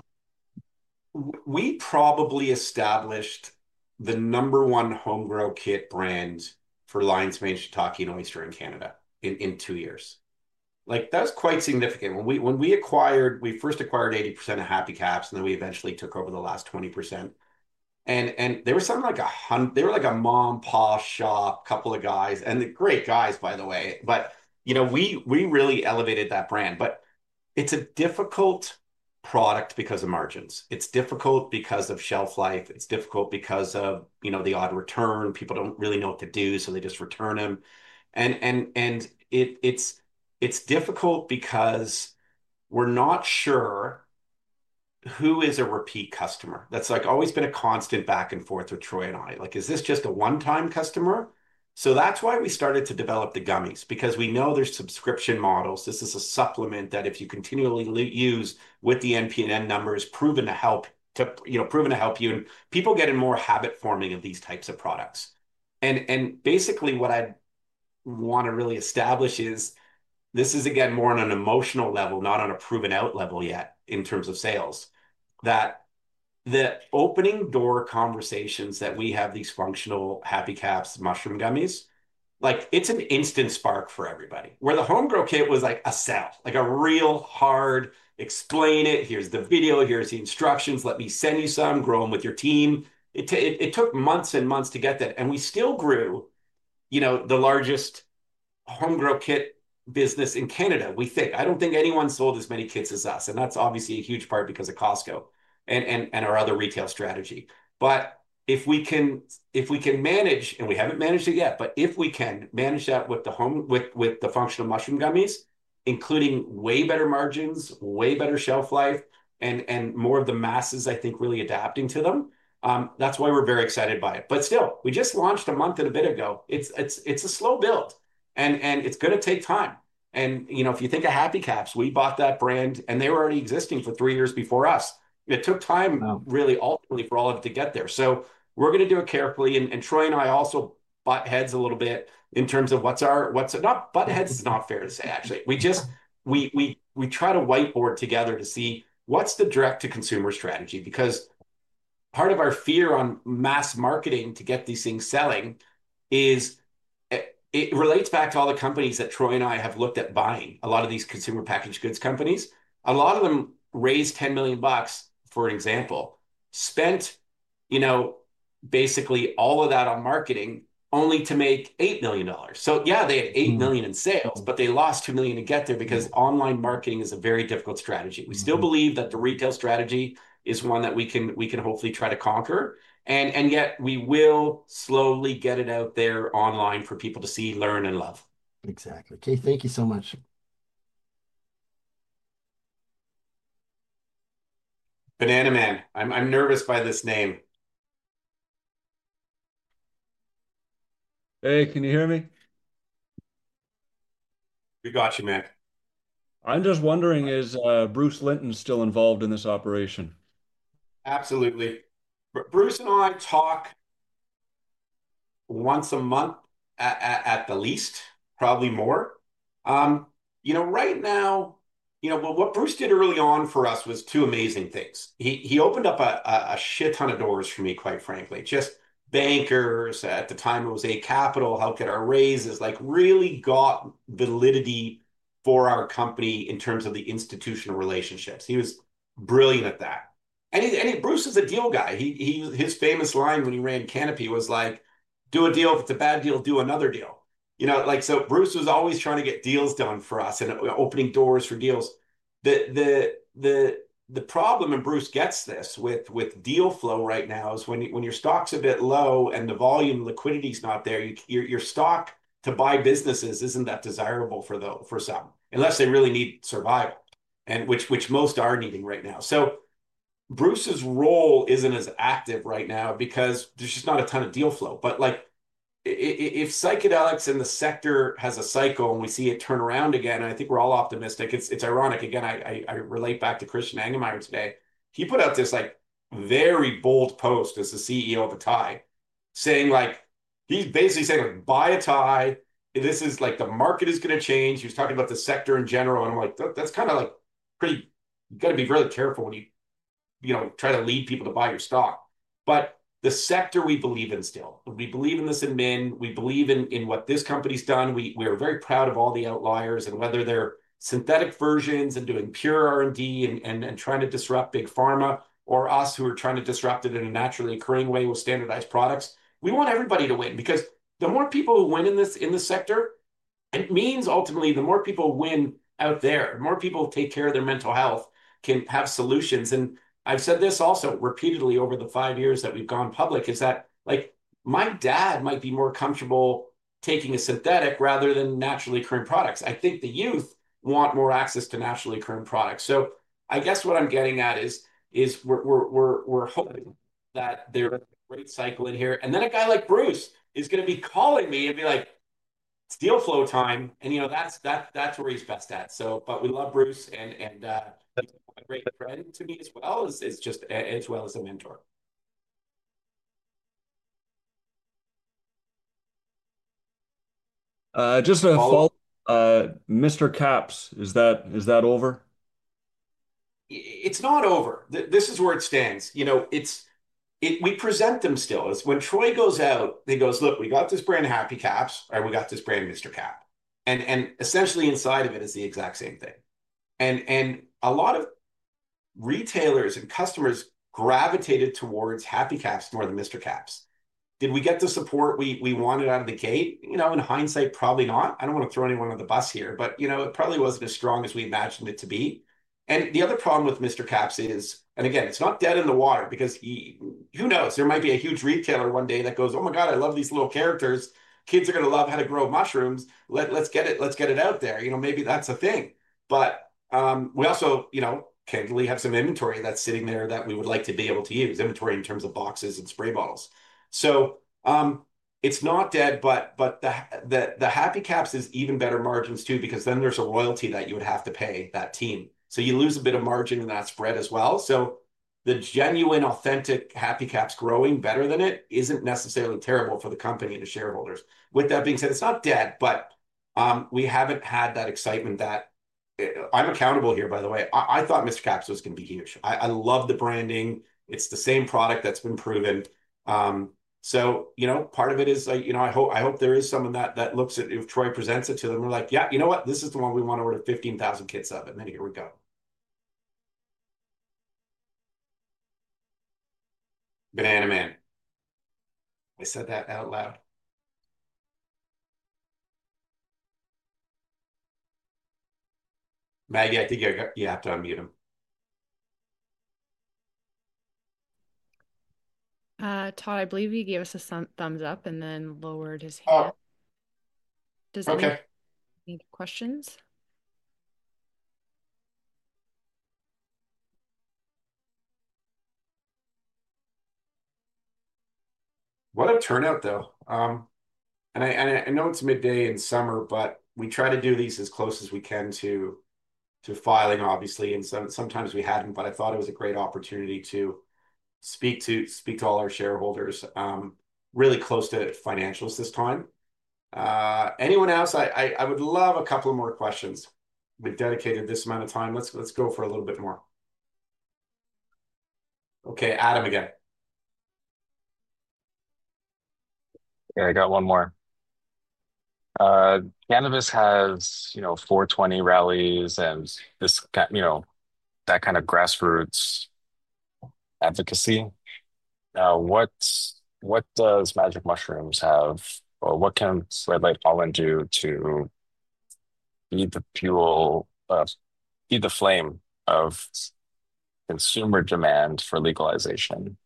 we probably established the number one mushroom home grow kit brand for Lion's Mane, Shiitake, and Oyster in Canada in two years. That was quite significant. When we acquired, we first acquired 80% of Happy Caps, and then we eventually took over the last 20%. There was something like a hundred, they were like a mom-pa shop, a couple of guys, and great guys, by the way, but we really elevated that brand. It's a difficult product because of margins. It's difficult because of shelf life. It's difficult because of the odd return. People don't really know what to do, so they just return them. It's difficult because we're not sure who is a repeat customer. That's always been a constant back and forth with Troy and I. Is this just a one-time customer? That's why we started to develop the gummies, because we know there's subscription models. This is a supplement that if you continually use with the NPN numbers, proven to help, proven to help you. People get in more habit forming of these types of products. Basically, what I want to really establish is this is again more on an emotional level, not on a proven out level yet in terms of sales, that the opening door conversations that we have these functional Happy Caps mushroom gummies, it's an instant spark for everybody, where the mushroom home grow kit was like a sell, like a real hard explain it. Here's the video. Here's the instructions. Let me send you some, grow them with your team. It took months and months to get that. We still grew the largest mushroom home grow kit business in Canada. We think, I don't think anyone sold as many kits as us. That's obviously a huge part because of Costco Canada and our other retail strategy. If we can manage, and we haven't managed it yet, but if we can manage that with the functional mushroom gummies, including way better margins, way better shelf life, and more of the masses, I think, really adapting to them, that's why we're very excited by it. We just launched a month and a bit ago. It's a slow build. It's going to take time. If you think of Happy Caps, we bought that brand and they were already existing for three years before us. It took time really ultimately for all of it to get there. We're going to do it carefully. Troy and I also butt heads a little bit in terms of what's our, what's it not? Butt heads is not fair to say, actually. We just try to whiteboard together to see what's the direct-to-consumer strategy, because part of our fear on mass marketing to get these things selling is it relates back to all the companies that Troy and I have looked at buying, a lot of these consumer packaged goods companies. A lot of them raised $10 million, for an example, spent basically all of that on marketing only to make $8 million. They had $8 million in sales, but they lost $2 million to get there because online marketing is a very difficult strategy. We still believe that the retail strategy is one that we can hopefully try to conquer. Yet we will slowly get it out there online for people to see, learn, and love. Exactly. Okay, thank you so much. Banana Man, I'm nervous by this name. Hey, can you hear me? We got you, man. I'm just wondering, is Bruce Linton still involved in this operation? Absolutely. Bruce and I talk once a month at the least, probably more. Right now, what Bruce did early on for us was two amazing things. He opened up a shit ton of doors for me, quite frankly. Just bankers at the time it was a capital, how could our raises like really got validity for our company in terms of the institutional relationships. He was brilliant at that. Bruce is a deal guy. His famous line when he ran Canopy was like, do a deal if it's a bad deal, do another deal. Bruce was always trying to get deals done for us and opening doors for deals. The problem, and Bruce gets this with deal flow right now, is when your stock's a bit low and the volume liquidity is not there, your stock to buy businesses isn't that desirable for some, unless they really need survival, and which most are needing right now. Bruce's role isn't as active right now because there's just not a ton of deal flow. If psychedelics in the sector has a cycle and we see it turn around again, and I think we're all optimistic, it's ironic. I relate back to Christian Angermayer today. He put out this very bold post as the CEO of Atai saying like, he's basically saying like, buy Atai. This is like the market is going to change. He was talking about the sector in general. I'm like, that's kind of like pretty good to be very careful when you try to lead people to buy your stock. The sector we believe in still, we believe in this in MIN. We believe in what this company's done. We are very proud of all the outliers and whether they're synthetic versions and doing pure R&D and trying to disrupt big pharma or us who are trying to disrupt it in a naturally occurring way with standardized products. We want everybody to win because the more people who win in this sector, it means ultimately the more people win out there, the more people take care of their mental health can have solutions. I've said this also repeatedly over the five years that we've gone public is that my dad might be more comfortable taking a synthetic rather than naturally occurring products. I think the youth want more access to naturally occurring products. I guess what I'm getting at is we're hoping that there's a great cycle in here. A guy like Bruce is going to be calling me and be like, deal flow time. That's where he's best at. We love Bruce and a great friend to me as well, just as well as a mentor. Just a follow-up. Mistercap's, is that over? It's not over. This is where it stands. You know, we present them still. When Troy goes out, he goes, look, we got this brand, Happy Caps, or we got this brand, Mistercap's. Essentially, inside of it is the exact same thing. A lot of retailers and customers gravitated towards Happy Caps more than Mistercap's. Did we get the support we wanted out of the gate? In hindsight, probably not. I don't want to throw anyone under the bus here, but it probably wasn't as strong as we imagined it to be. The other problem with Mistercap's is, and again, it's not dead in the water because who knows, there might be a huge retailer one day that goes, oh my God, I love these little characters. Kids are going to love how to grow mushrooms. Let's get it, let's get it out there. Maybe that's a thing. We also, candidly, have some inventory that's sitting there that we would like to be able to use, inventory in terms of boxes and spray balls. It's not dead, but the Happy Caps is even better margins too, because then there's a royalty that you would have to pay that team. You lose a bit of margin in that spread as well. The genuine, authentic Happy Caps growing better than it isn't necessarily terrible for the company and the shareholders. With that being said, it's not dead, but we haven't had that excitement that I'm accountable here, by the way. I thought Mistercap's was going to be huge. I love the branding. It's the same product that's been proven. Part of it is, I hope there is someone that looks at it. If Troy presents it to them, we're like, yeah, you know what? This is the one we want over 15,000 kits of it. Man, here we go. Banana Man. I said that out loud. Maggie, I think you have to unmute him. Todd, I believe he gave us a thumbs up and then lowered his hand. Does anyone need questions? What a turnout, though. I know it's midday in summer, but we try to do these as close as we can to filing, obviously. Sometimes we hadn't, but I thought it was a great opportunity to speak to all our shareholders, really close to financials this time. Anyone else? I would love a couple more questions. We dedicated this amount of time. Let's go for a little bit more. Okay, Adam again. Yeah, I got one more. Cannabis has, you know, 420 rallies and this, you know, that kind of grassroots advocacy. What does Magic Mushrooms have? What can Red Light Holland do to feed the fuel, feed the flame of consumer demand for legalization?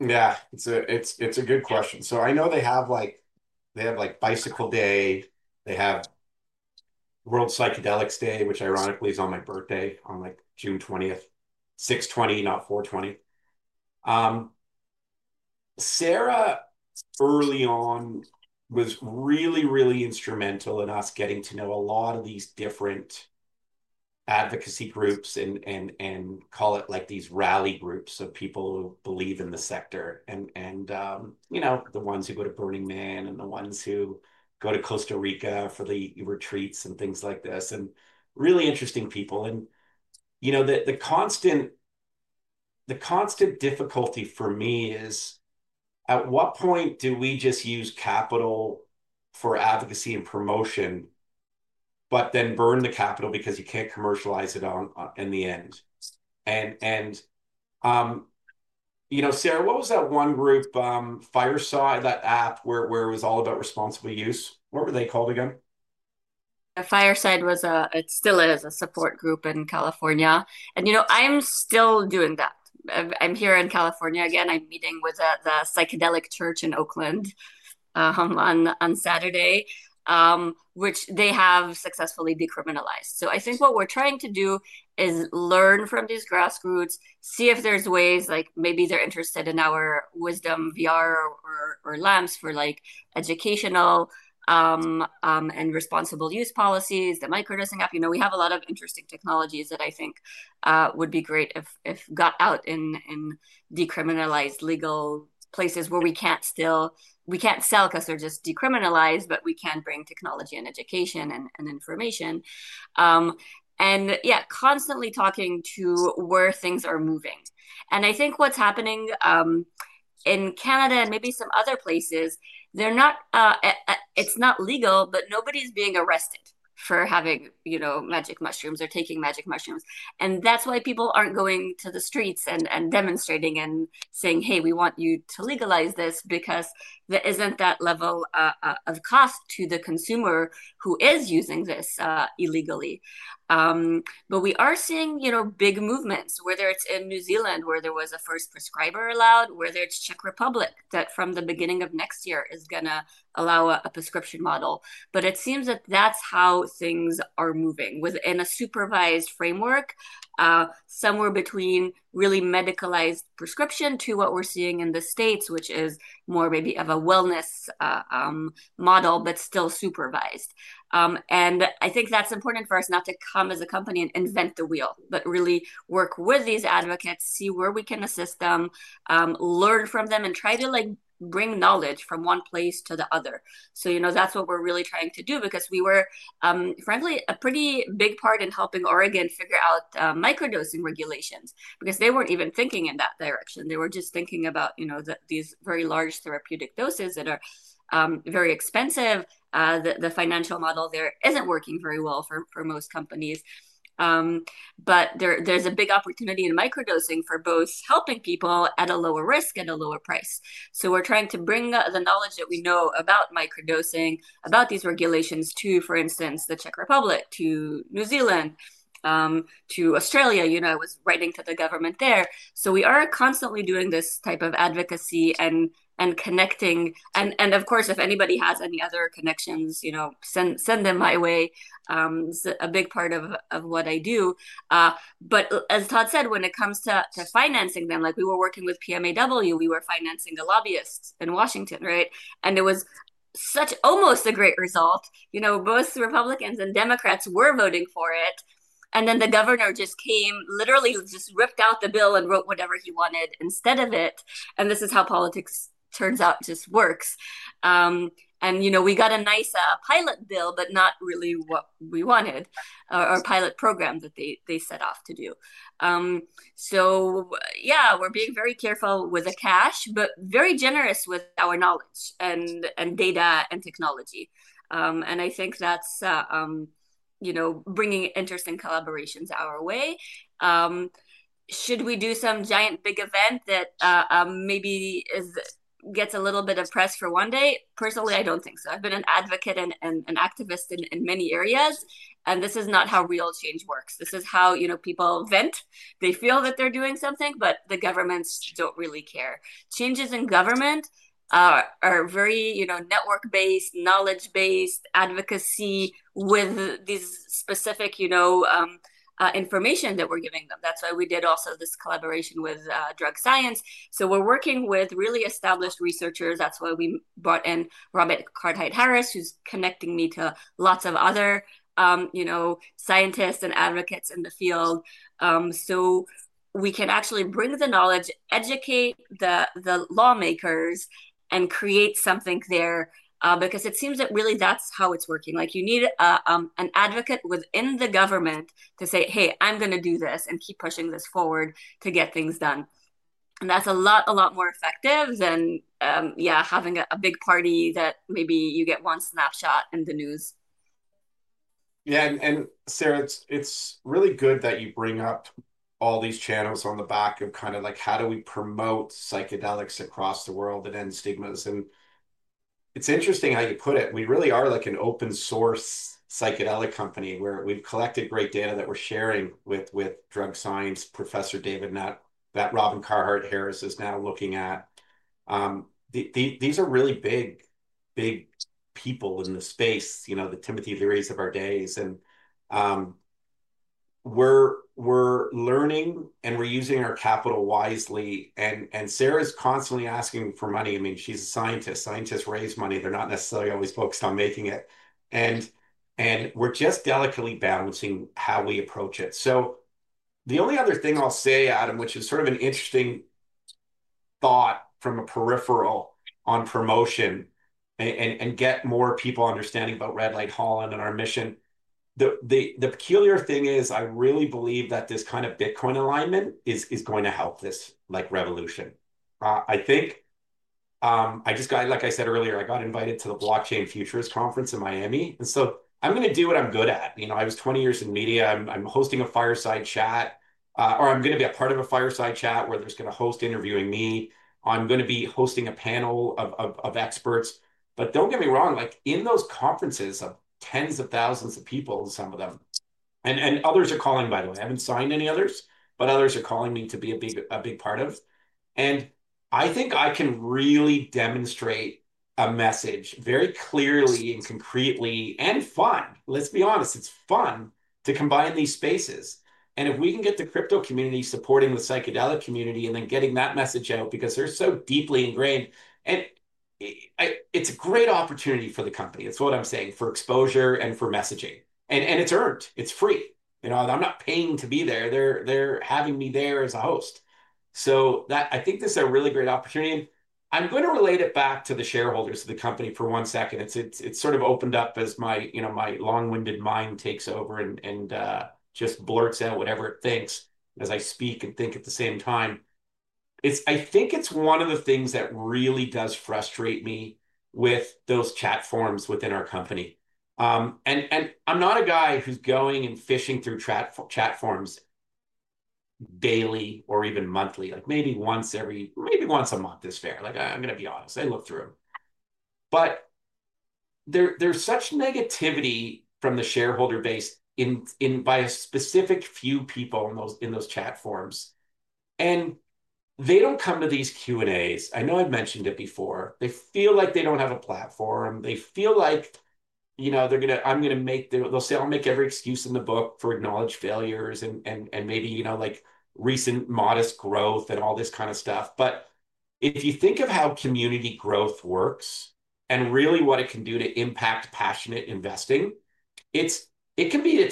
Yeah, it's a good question. I know they have like, they have like Bicycle Day, they have World Psychedelics Day, which ironically is on my birthday on like June 20th, 620, not 420. Sarah early on was really, really instrumental in us getting to know a lot of these different advocacy groups and call it like these rally groups of people who believe in the sector, you know, the ones who go to Burning Man and the ones who go to Costa Rica for the retreats and things like this. Really interesting people. You know, the constant difficulty for me is at what point do we just use capital for advocacy and promotion, but then burn the capital because you can't commercialize it in the end? You know, Sarah, what was that one group, Fireside, that app where it was all about responsible use? What were they called again? Fireside was a, it still is a support group in California. You know, I'm still doing that. I'm here in California. Again, I'm meeting with the Psychedelic Church in Oakland on Saturday, which they have successfully decriminalized. I think what we're trying to do is learn from these grassroots, see if there's ways like maybe they're interested in our Wisdom VR or LAMPS for educational and responsible use policies, the microdosing app. We have a lot of interesting technologies that I think would be great if they got out in decriminalized legal places where we still can't sell because they're just decriminalized, but we can bring technology and education and information. Yeah, constantly talking to where things are moving. I think what's happening in Canada and maybe some other places, it's not legal, but nobody's being arrested for having, you know, Magic Mushrooms or taking Magic Mushrooms. That's why people aren't going to the streets and demonstrating and saying, "Hey, we want you to legalize this," because there isn't that level of cost to the consumer who is using this illegally. We are seeing big movements, whether it's in New Zealand, where there was a first prescriber allowed, or Czech Republic that from the beginning of next year is going to allow a prescription model. It seems that that's how things are moving within a supervised framework, somewhere between really medicalized prescription to what we're seeing in the U.S., which is more maybe of a wellness model, but still supervised. I think that's important for us not to come as a company and invent the wheel, but really work with these advocates, see where we can assist them, learn from them, and try to bring knowledge from one place to the other. That's what we're really trying to do because we were, frankly, a pretty big part in helping Oregon figure out microdosing regulations because they weren't even thinking in that direction. They were just thinking about these very large therapeutic doses that are very expensive. The financial model there isn't working very well for most companies, but there's a big opportunity in microdosing for both helping people at a lower risk and a lower price. We're trying to bring the knowledge that we know about microdosing, about these regulations to, for instance, the Czech Republic, to New Zealand, to Australia. You know, I was writing to the government there. We are constantly doing this type of advocacy and connecting. Of course, if anybody has any other connections, you know, send them my way. It's a big part of what I do. As Todd said, when it comes to financing them, like we were working with PMAW, we were financing the lobbyists in Washington, right? It was such almost a great result. Most Republicans and Democrats were voting for it. Then the governor just came, literally just ripped out the bill and wrote whatever he wanted instead of it. This is how politics just works. We got a nice pilot bill, but not really what we wanted or pilot program that they set off to do. We are being very careful with the cash, but very generous with our knowledge and data and technology. I think that's bringing interesting collaborations our way. Should we do some giant big event that maybe gets a little bit of press for one day? Personally, I don't think so. I've been an advocate and an activist in many areas. This is not how real change works. This is how people vent. They feel that they're doing something, but the governments don't really care. Changes in government are very network-based, knowledge-based advocacy with these specific information that we're giving them. That's why we did also this collaboration with Drug Science. We are working with really established researchers. That's why we brought in Dr. Robin Carhart-Harris, who's connecting me to lots of other scientists and advocates in the field. We can actually bring the knowledge, educate the lawmakers, and create something there, because it seems that really that's how it's working. You need an advocate within the government to say, "Hey, I'm going to do this and keep pushing this forward to get things done." That's a lot more effective than having a big party that maybe you get one snapshot in the news. Yeah. Sarah, it's really good that you bring up all these channels on the back of kind of like, how do we promote psychedelics across the world and end stigmas? It's interesting how you put it. We really are like an open source psychedelic company where we've collected great data that we're sharing with Drug Science, Professor David Nutt, that Dr. Robin Carhart-Harris is now looking at. These are really big, big people in the space, you know, the Timothy Lees of our days. We're learning and we're using our capital wisely. Sarah's constantly asking for money. I mean, she's a scientist. Scientists raise money. They're not necessarily always focused on making it. We're just delicately balancing how we approach it. The only other thing I'll say, Adam, which is sort of an interesting thought from a peripheral on promotion and getting more people understanding about Red Light Holland and our mission. The peculiar thing is I really believe that this kind of Bitcoin alignment is going to help this revolution. Like I said earlier, I got invited to the Blockchain Futurist Conference in Miami. I'm going to do what I'm good at. I was 20 years in media. I'm hosting a fireside chat, or I'm going to be a part of a fireside chat where there's going to be a host interviewing me. I'm going to be hosting a panel of experts. Don't get me wrong, in those conferences are tens of thousands of people, some of them. Others are calling, by the way. I haven't signed any others, but others are calling me to be a big part of. I think I can really demonstrate a message very clearly and concretely and fun. Let's be honest, it's fun to combine these spaces. If we can get the crypto community supporting the psychedelic community and then getting that message out because they're so deeply ingrained. It's a great opportunity for the company. It's what I'm saying for exposure and for messaging. It's earned. It's free. I'm not paying to be there. They're having me there as a host. I think this is a really great opportunity. I'm going to relate it back to the shareholders of the company for one second. It sort of opened up as my long-winded mind takes over and just blurts out whatever it thinks as I speak and think at the same time. I think it's one of the things that really does frustrate me with those chat forms within our company. I'm not a guy who's going and fishing through chat forms daily or even monthly, like maybe once a month is fair. I'm going to be honest, I look through them. There's such negativity from the shareholder base by a specific few people in those chat forms. They don't come to these Q&As. I know I've mentioned it before. They feel like they don't have a platform. They feel like, you know, they're going to, they'll say I'll make every excuse in the book for acknowledged failures and maybe, you know, like recent modest growth and all this kind of stuff. If you think of how community growth works and really what it can do to impact passionate investing, it can be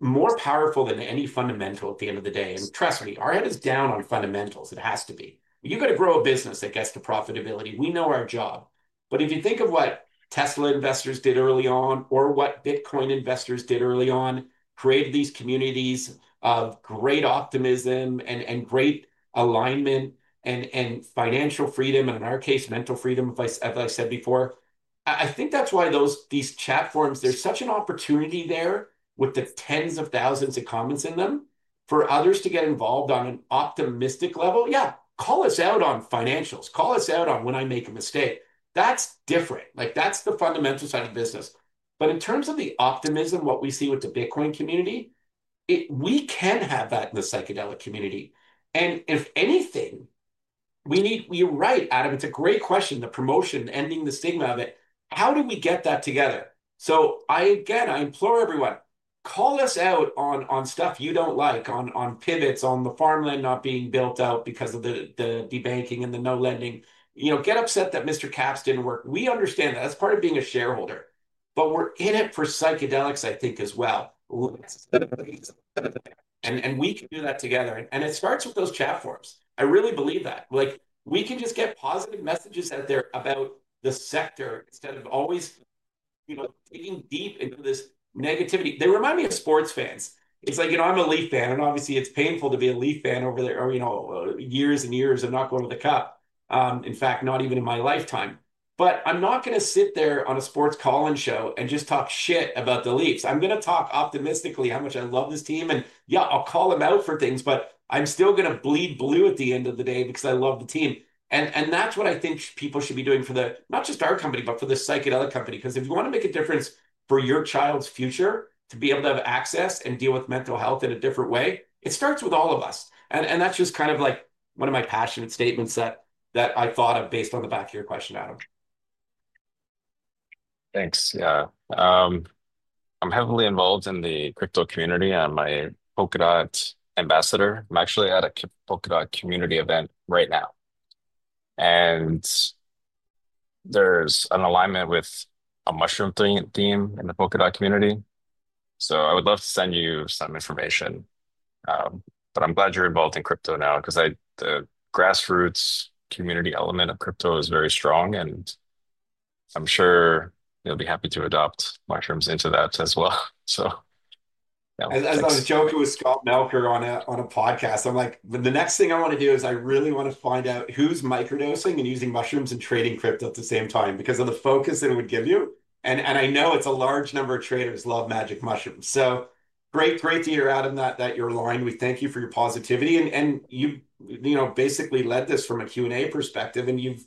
more powerful than any fundamental at the end of the day. Trust me, our head is down on fundamentals. It has to be. You got to grow a business that gets to profitability. We know our job. If you think of what Tesla investors did early on or what Bitcoin investors did early on, created these communities of great optimism and great alignment and financial freedom, and in our case, mental freedom, as I said before, I think that's why those chat forms, there's such an opportunity there with the tens of thousands of comments in them for others to get involved on an optimistic level. Call us out on financials. Call us out on when I make a mistake. That's different. That's the fundamental side of business. In terms of the optimism, what we see with the Bitcoin community, we can have that in the psychedelic community. If anything, we need, you're right, Adam, it's a great question, the promotion, ending the stigma of it. How do we get that together? I implore everyone, call us out on stuff you don't like, on pivots, on the farmland not being built out because of the debanking and the no lending. Get upset that Mistercap's didn't work. We understand that as part of being a shareholder. We're in it for psychedelics, I think, as well. We can do that together. It starts with those chat forms. I really believe that. We can just get positive messages out there about the sector instead of always digging deep into this negativity. They remind me of sports fans. It's like, you know, I'm a Leaf fan. Obviously, it's painful to be a Leaf fan over there, or, you know, years and years of not going to the cup. In fact, not even in my lifetime. I am not going to sit there on a sports call-in show and just talk shit about the Leafs. I am going to talk optimistically about how much I love this team. Yeah, I'll call them out for things, but I'm still going to bleed blue at the end of the day because I love the team. That is what I think people should be doing for not just our company, but for the psychedelic company. If you want to make a difference for your child's future, to be able to have access and deal with mental health in a different way, it starts with all of us. That is just kind of like one of my passionate statements that I thought of based on the back of your question, Adam. Thanks. Yeah, I'm heavily involved in the crypto community. I'm a Polkadot ambassador. I'm actually at a Polkadot community event right now, and there's an alignment with a mushroom theme in the Polkadot community. I would love to send you some information. I'm glad you're involved in crypto now because the grassroots community element of crypto is very strong. I'm sure you'll be happy to adopt mushrooms into that as well. As I was joking with Scott Melker, if you're on a podcast, I'm like, the next thing I want to do is I really want to find out who's microdosing and using mushrooms and trading crypto at the same time, because of the focus that it would give you. I know it's a large number of traders love magic mushrooms. Great to hear, Adam, that you're aligned with. Thank you for your positivity. You've basically led this from a Q&A perspective. You've,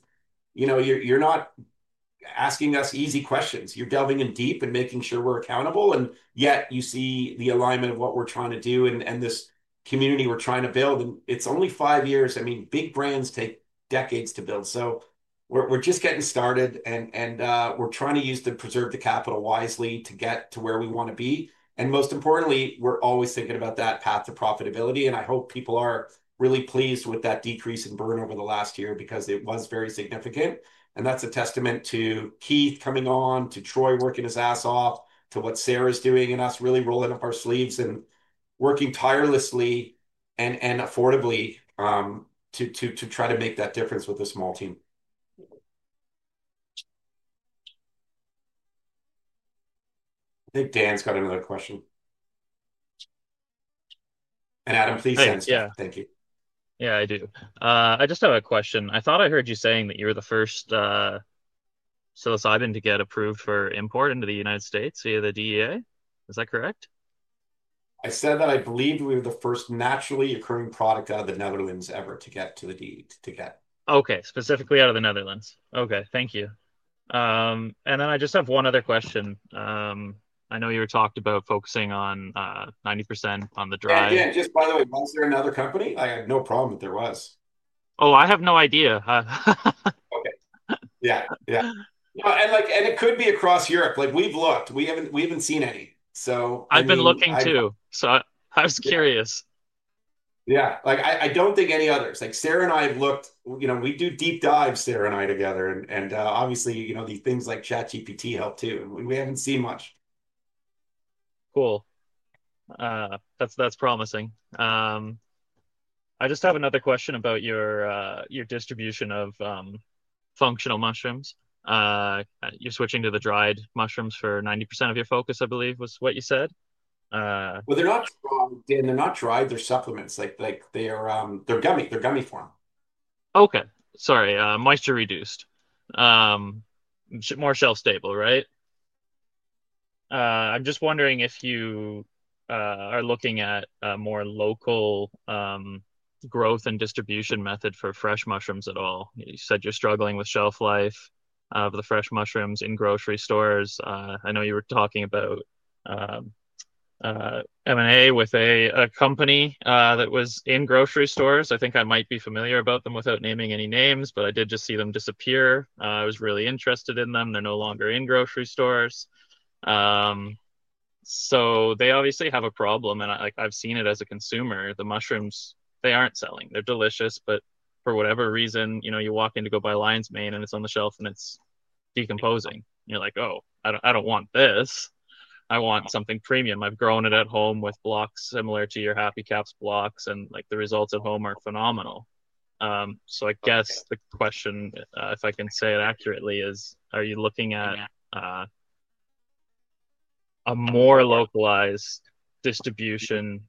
you know, you're not asking us easy questions. You're delving in deep and making sure we're accountable. Yet you see the alignment of what we're trying to do and this community we're trying to build. It's only five years. Big brands take decades to build. We're just getting started. We're trying to use the preserve the capital wisely to get to where we want to be. Most importantly, we're always thinking about that path to profitability. I hope people are really pleased with that decrease in burn over the last year because it was very significant. That's a testament to Keith coming on, to Troy working his ass off, to what Sarah's doing and us really rolling up our sleeves and working tirelessly and affordably, to try to make that difference with a small team. I think Dan's got another question. Adam, please answer. Yeah, thank you. Yeah, I do. I just have a question. I thought I heard you saying that you were the first psilocybin to get approved for import into the U.S. via the DEA. Is that correct? I said that I believed we were the first naturally occurring product out of the Netherlands ever to get to the DEA. OK, specifically out of the Netherlands. OK, thank you. I just have one other question. I know you were talking about focusing on 90% on the drive. Just by the way, was there another company? I had no problem if there was. Oh, I have no idea. Yeah, yeah. It could be across Europe. We've looked. We haven't seen any. I was curious. Yeah, I don't think any others. Sarah and I have looked, you know, we do deep dives, Sarah and I together. Obviously, these things like ChatGPT help too. We haven't seen much. Cool. That's promising. I just have another question about your distribution of functional mushrooms. You're switching to the dried mushrooms for 90% of your focus, I believe was what you said. They're not dried. They're supplements. Like they're gummy. They're gummy form. OK, sorry. Moisture reduced. More shelf stable, right? I'm just wondering if you are looking at a more local growth and distribution method for fresh mushrooms at all. You said you're struggling with shelf life of the fresh mushrooms in grocery stores. I know you were talking about M&A with a company that was in grocery stores. I think I might be familiar about them without naming any names, but I did just see them disappear. I was really interested in them. They're no longer in grocery stores. They obviously have a problem. I've seen it as a consumer. The mushrooms, they aren't selling. They're delicious. For whatever reason, you walk in to go buy Lion's Mane, and it's on the shelf, and it's decomposing. You're like, oh, I don't want this. I want something premium. I've grown it at home with blocks similar to your Happy Caps blocks, and the results at home aren't phenomenal. I guess the question, if I can say it accurately, is are you looking at a more localized distribution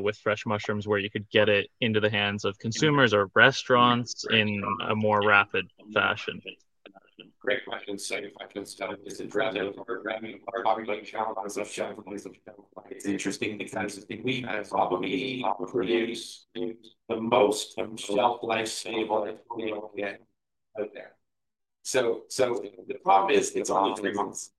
with fresh mushrooms where you could get it into the hands of consumers or restaurants in a more rapid fashion? Is it driving a lot of revenue? Are we going to shop on a subscriber? Is it interesting? I think we have a problem with the most shelf life stable that we don't get out there. The problem is it's all of the months.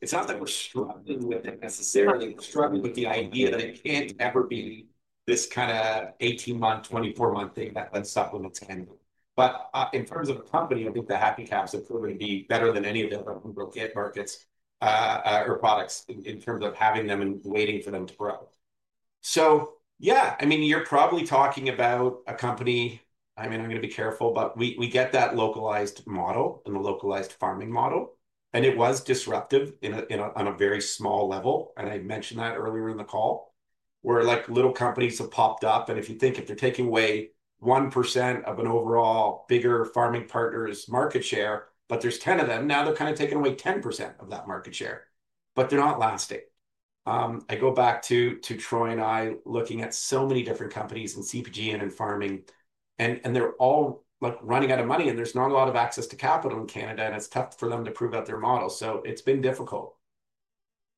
It's not that we're necessarily struggling, but the idea that it can't ever be this kind of 18-month, 24-month thing that unstoppably can. In terms of the company, I think the Happy Caps are proving to be better than any of the other home grow markets or products in terms of having them and waiting for them to grow. You're probably talking about a company. I'm going to be careful, but we get that localized model and the localized farming model. It was disruptive on a very small level. I mentioned that earlier in the call, where little companies have popped up. If you think if they're taking away 1% of an overall bigger farming partner's market share, but there's 10 of them, now they're kind of taking away 10% of that market share. They're not lasting. I go back to Troy and I looking at so many different companies in CPG and farming. They're all running out of money. There's not a lot of access to capital in Canada. It's tough for them to prove out their model. It's been difficult.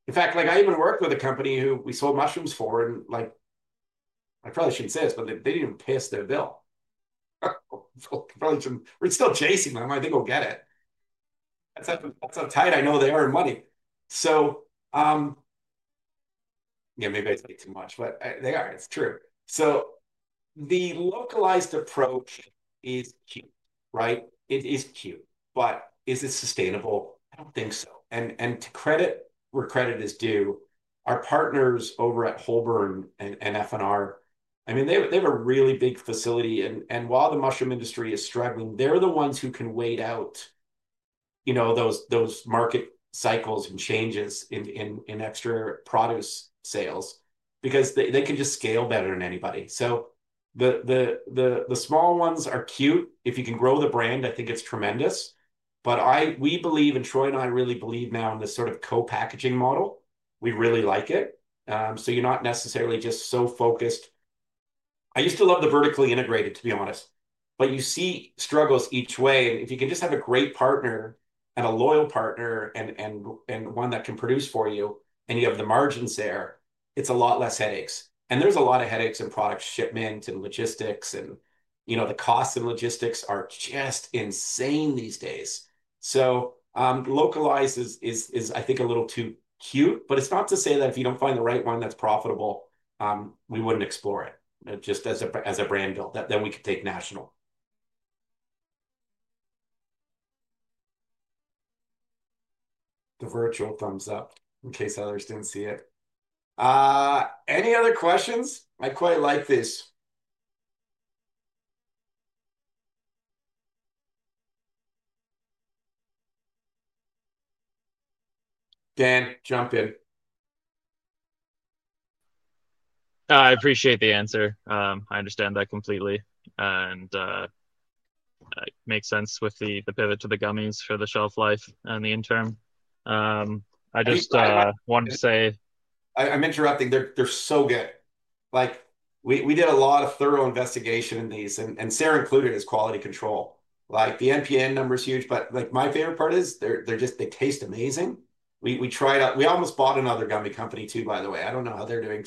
In fact, I even worked with a company who we sold mushrooms for. I probably shouldn't say this, but they didn't even pay us their bill. We're still chasing them. I think we'll get it. It's so tight. I know they earn money. Maybe I say too much, but they are. It's true. The localized approach is cute, right? It is cute. Is it sustainable? I don't think so. To credit where credit is due, our partners over at Holburn and FNR, they have a really big facility. While the mushroom industry is struggling, they're the ones who can wait out those market cycles and changes in extra produce sales because they can just scale better than anybody. The small ones are cute. If you can grow the brand, I think it's tremendous. We believe in Troy and I really believe now in this sort of co-packaging model. We really like it. You're not necessarily just so focused. I used to love the vertically integrated, to be honest. You see struggles each way. If you can just have a great partner and a loyal partner and one that can produce for you, and you have the margins there, it's a lot less headaches. There are a lot of headaches in product shipment and logistics. You know, the costs and logistics are just insane these days. The localized is, I think, a little too cute. It's not to say that if you don't find the right one that's profitable, we wouldn't explore it just as a brand that we could take national. The virtual thumbs up in case others didn't see it. Any other questions? I quite like this. Dan jumped in. I appreciate the answer. I understand that completely. It makes sense with the pivot to the gummies for the shelf life and the interim. I just wanted to say. I'm interrupting. They're so good. We did a lot of thorough investigation in these, and Sarah included as quality control. The NPN number is huge. My favorite part is they just, they taste amazing. We tried out, we almost bought another gummy company too, by the way. I don't know how they're doing.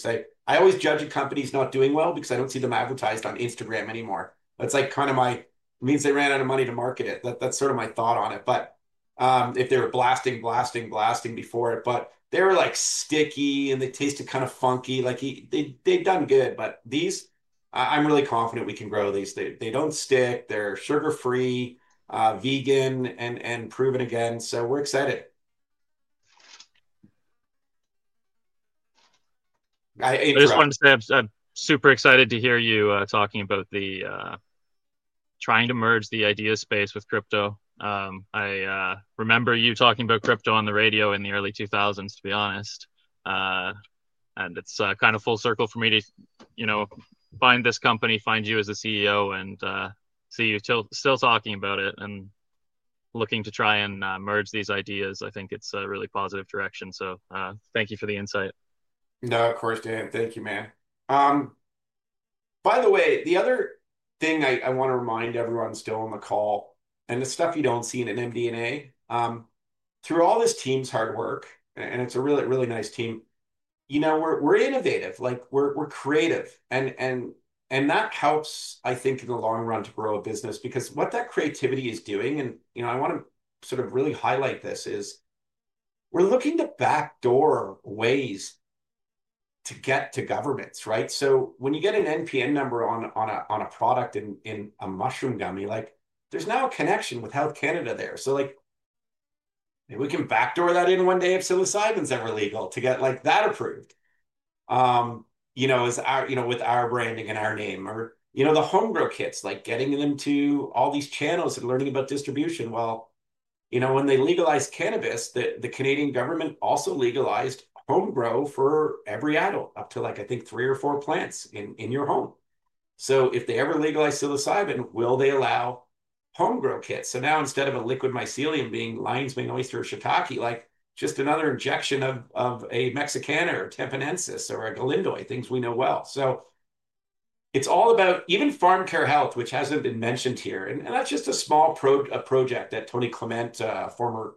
I always judge a company's not doing well because I don't see them advertised on Instagram anymore. That means they ran out of money to market it. That's sort of my thought on it. If they're blasting, blasting, blasting before it, they're like sticky and they taste kind of funky. They've done good. These, I'm really confident we can grow these. They don't stick. They're sugar-free, vegan, and proven again. We're excited. I just wanted to say I'm super excited to hear you talking about trying to merge the idea space with crypto. I remember you talking about crypto on the radio in the early 2000s, to be honest. It's kind of full circle for me to, you know, find this company, find you as a CEO, and see you still talking about it and looking to try and merge these ideas. I think it's a really positive direction. Thank you for the insight. No, of course, Dan. Thank you, man. By the way, the other thing I want to remind everyone still on the call, and the stuff you don't see in an MD&A, through all this team's hard work, and it's a really, really nice team, you know, we're innovative. Like we're creative. That helps, I think, in the long run to grow a business because what that creativity is doing, and I want to sort of really highlight this, is we're looking to backdoor ways to get to governments, right? When you get an NPN number on a product in a mushroom gummy, like there's now a connection with Health Canada there. We can backdoor that in one day if psilocybin's ever legal to get like that approved. You know, with our branding and our name, or the mushroom home grow kits, like getting them to all these channels and learning about distribution. When they legalized cannabis, the Canadian government also legalized home grow for every adult up to, like, I think, three or four plants in your home. If they ever legalize psilocybin, will they allow mushroom home grow kits? Now instead of a liquid mycelium being lion's mane, oyster, or shiitake, like just another injection of a Mexican or a Tampanensis or a Galindoy, things we know well. It's all about even farm care health, which hasn't been mentioned here. I've just a small project that Tony Clement, former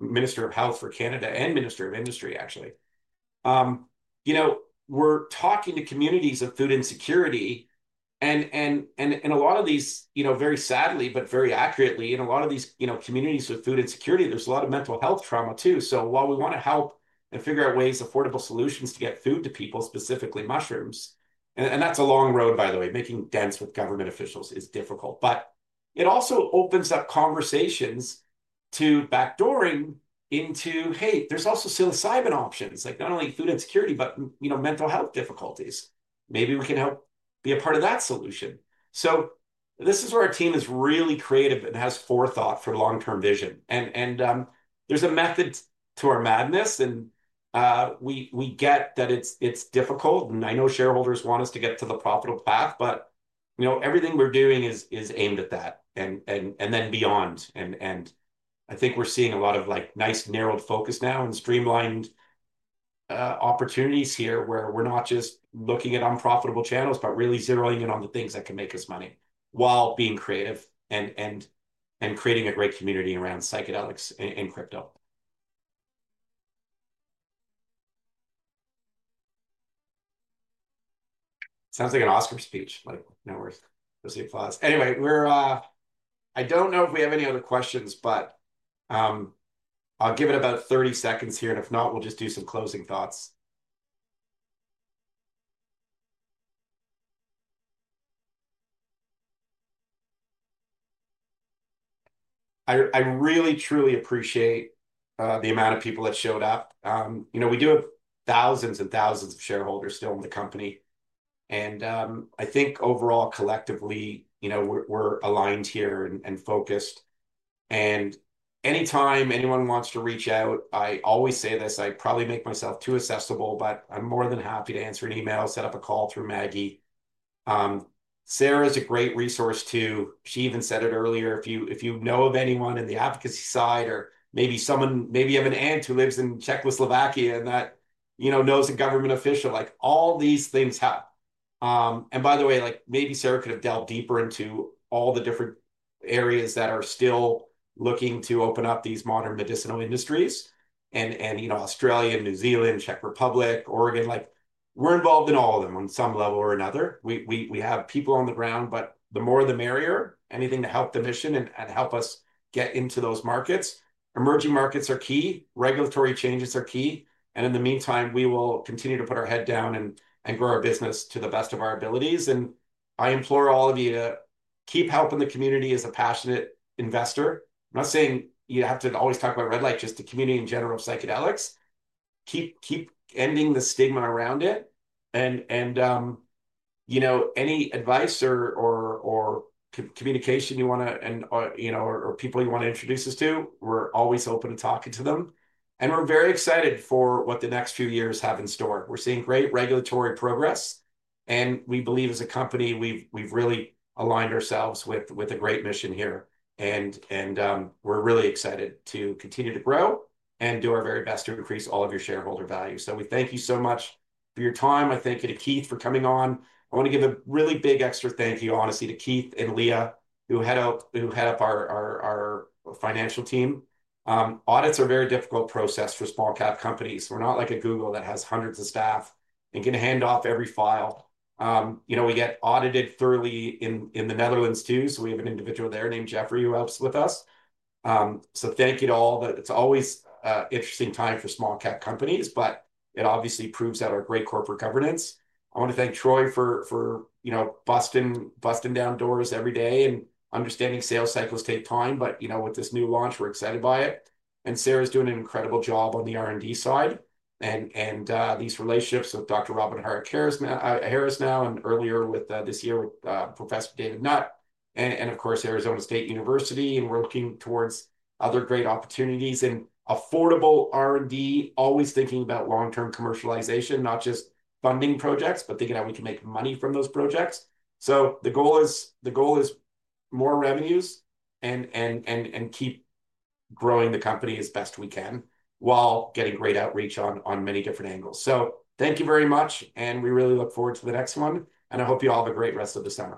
Minister of Health for Canada and Minister of Industry, actually, we're talking to communities of food insecurity. In a lot of these, very sadly, but very accurately, in a lot of these communities with food insecurity, there's a lot of mental health trauma too. While we want to help and figure out ways, affordable solutions to get food to people, specifically mushrooms, and that's a long road, by the way, making dents with government officials is difficult. It also opens up conversations to backdooring into, hey, there's also psilocybin options, like not only food insecurity, but mental health difficulties. Maybe we can help be a part of that solution. This is where our team is really creative and has forethought for long-term vision. There's a method to our madness. We get that it's difficult. I know shareholders want us to get to the profitable path. Everything we're doing is aimed at that and then beyond. I think we're seeing a lot of nice narrowed focus now and streamlined opportunities here where we're not just looking at unprofitable channels, but really zeroing in on the things that can make us money while being creative and creating a great community around psychedelics and crypto. Sounds like an Oscar speech. No worries. I don't know if we have any other questions, but I'll give it about 30 seconds here. If not, we'll just do some closing thoughts. I really, truly appreciate the amount of people that showed up. We do have thousands and thousands of shareholders still in the company. I think overall, collectively, we're aligned here and focused. Anytime anyone wants to reach out, I always say this, I probably make myself too accessible, but I'm more than happy to answer an email, set up a call through Maggie. Sarah is a great resource too. She even said it earlier. If you know of anyone in the advocacy side or maybe someone, maybe you have an aunt who lives in Czechoslovakia and that knows a government official, all these things help. By the way, maybe Sarah could have delved deeper into all the different areas that are still looking to open up these modern medicinal industries. Australia, New Zealand, Czech Republic, Oregon, we're involved in all of them on some level or another. We have people on the ground, the more the merrier. Anything to help the mission and help us get into those markets. Emerging markets are key. Regulatory changes are key. In the meantime, we will continue to put our head down and grow our business to the best of our abilities. I implore all of you to keep helping the community as a passionate investor. I'm not saying you have to always talk about Red Light Holland, just the community in general of psychedelics. Keep ending the stigma around it. Any advice or communication you want to, or people you want to introduce us to, we're always open to talking to them. We're very excited for what the next few years have in store. We're seeing great regulatory progress. We believe as a company, we've really aligned ourselves with a great mission here. We're really excited to continue to grow and do our very best to increase all of your shareholder value. We thank you so much for your time. I thank you to Keith for coming on. I want to give a really big extra thank you, honestly, to Keith Li and Leah, who head up our financial team. Audits are a very difficult process for small-cap companies. We're not like a Google that has hundreds of staff and can hand off every file. We get audited thoroughly in the Netherlands too. We have an individual there named Jeffrey who helps with us. Thank you to all. It's always an interesting time for small-cap companies, but it obviously proves out our great corporate governance. I want to thank Troy for busting down doors every day and understanding sales cycles take time. With this new launch, we're excited by it. Sarah's doing an incredible job on the R&D side. These relationships with Dr. Robin Carhart-Harris now and earlier this year with Professor David Nutt and, of course, Arizona State University. We're looking towards other great opportunities in affordable R&D, always thinking about long-term commercialization, not just funding projects, but thinking how we can make money from those projects. The goal is more revenues and keep growing the company as best we can while getting great outreach on many different angles. Thank you very much. We really look forward to the next one. I hope you all have a great rest of the summer.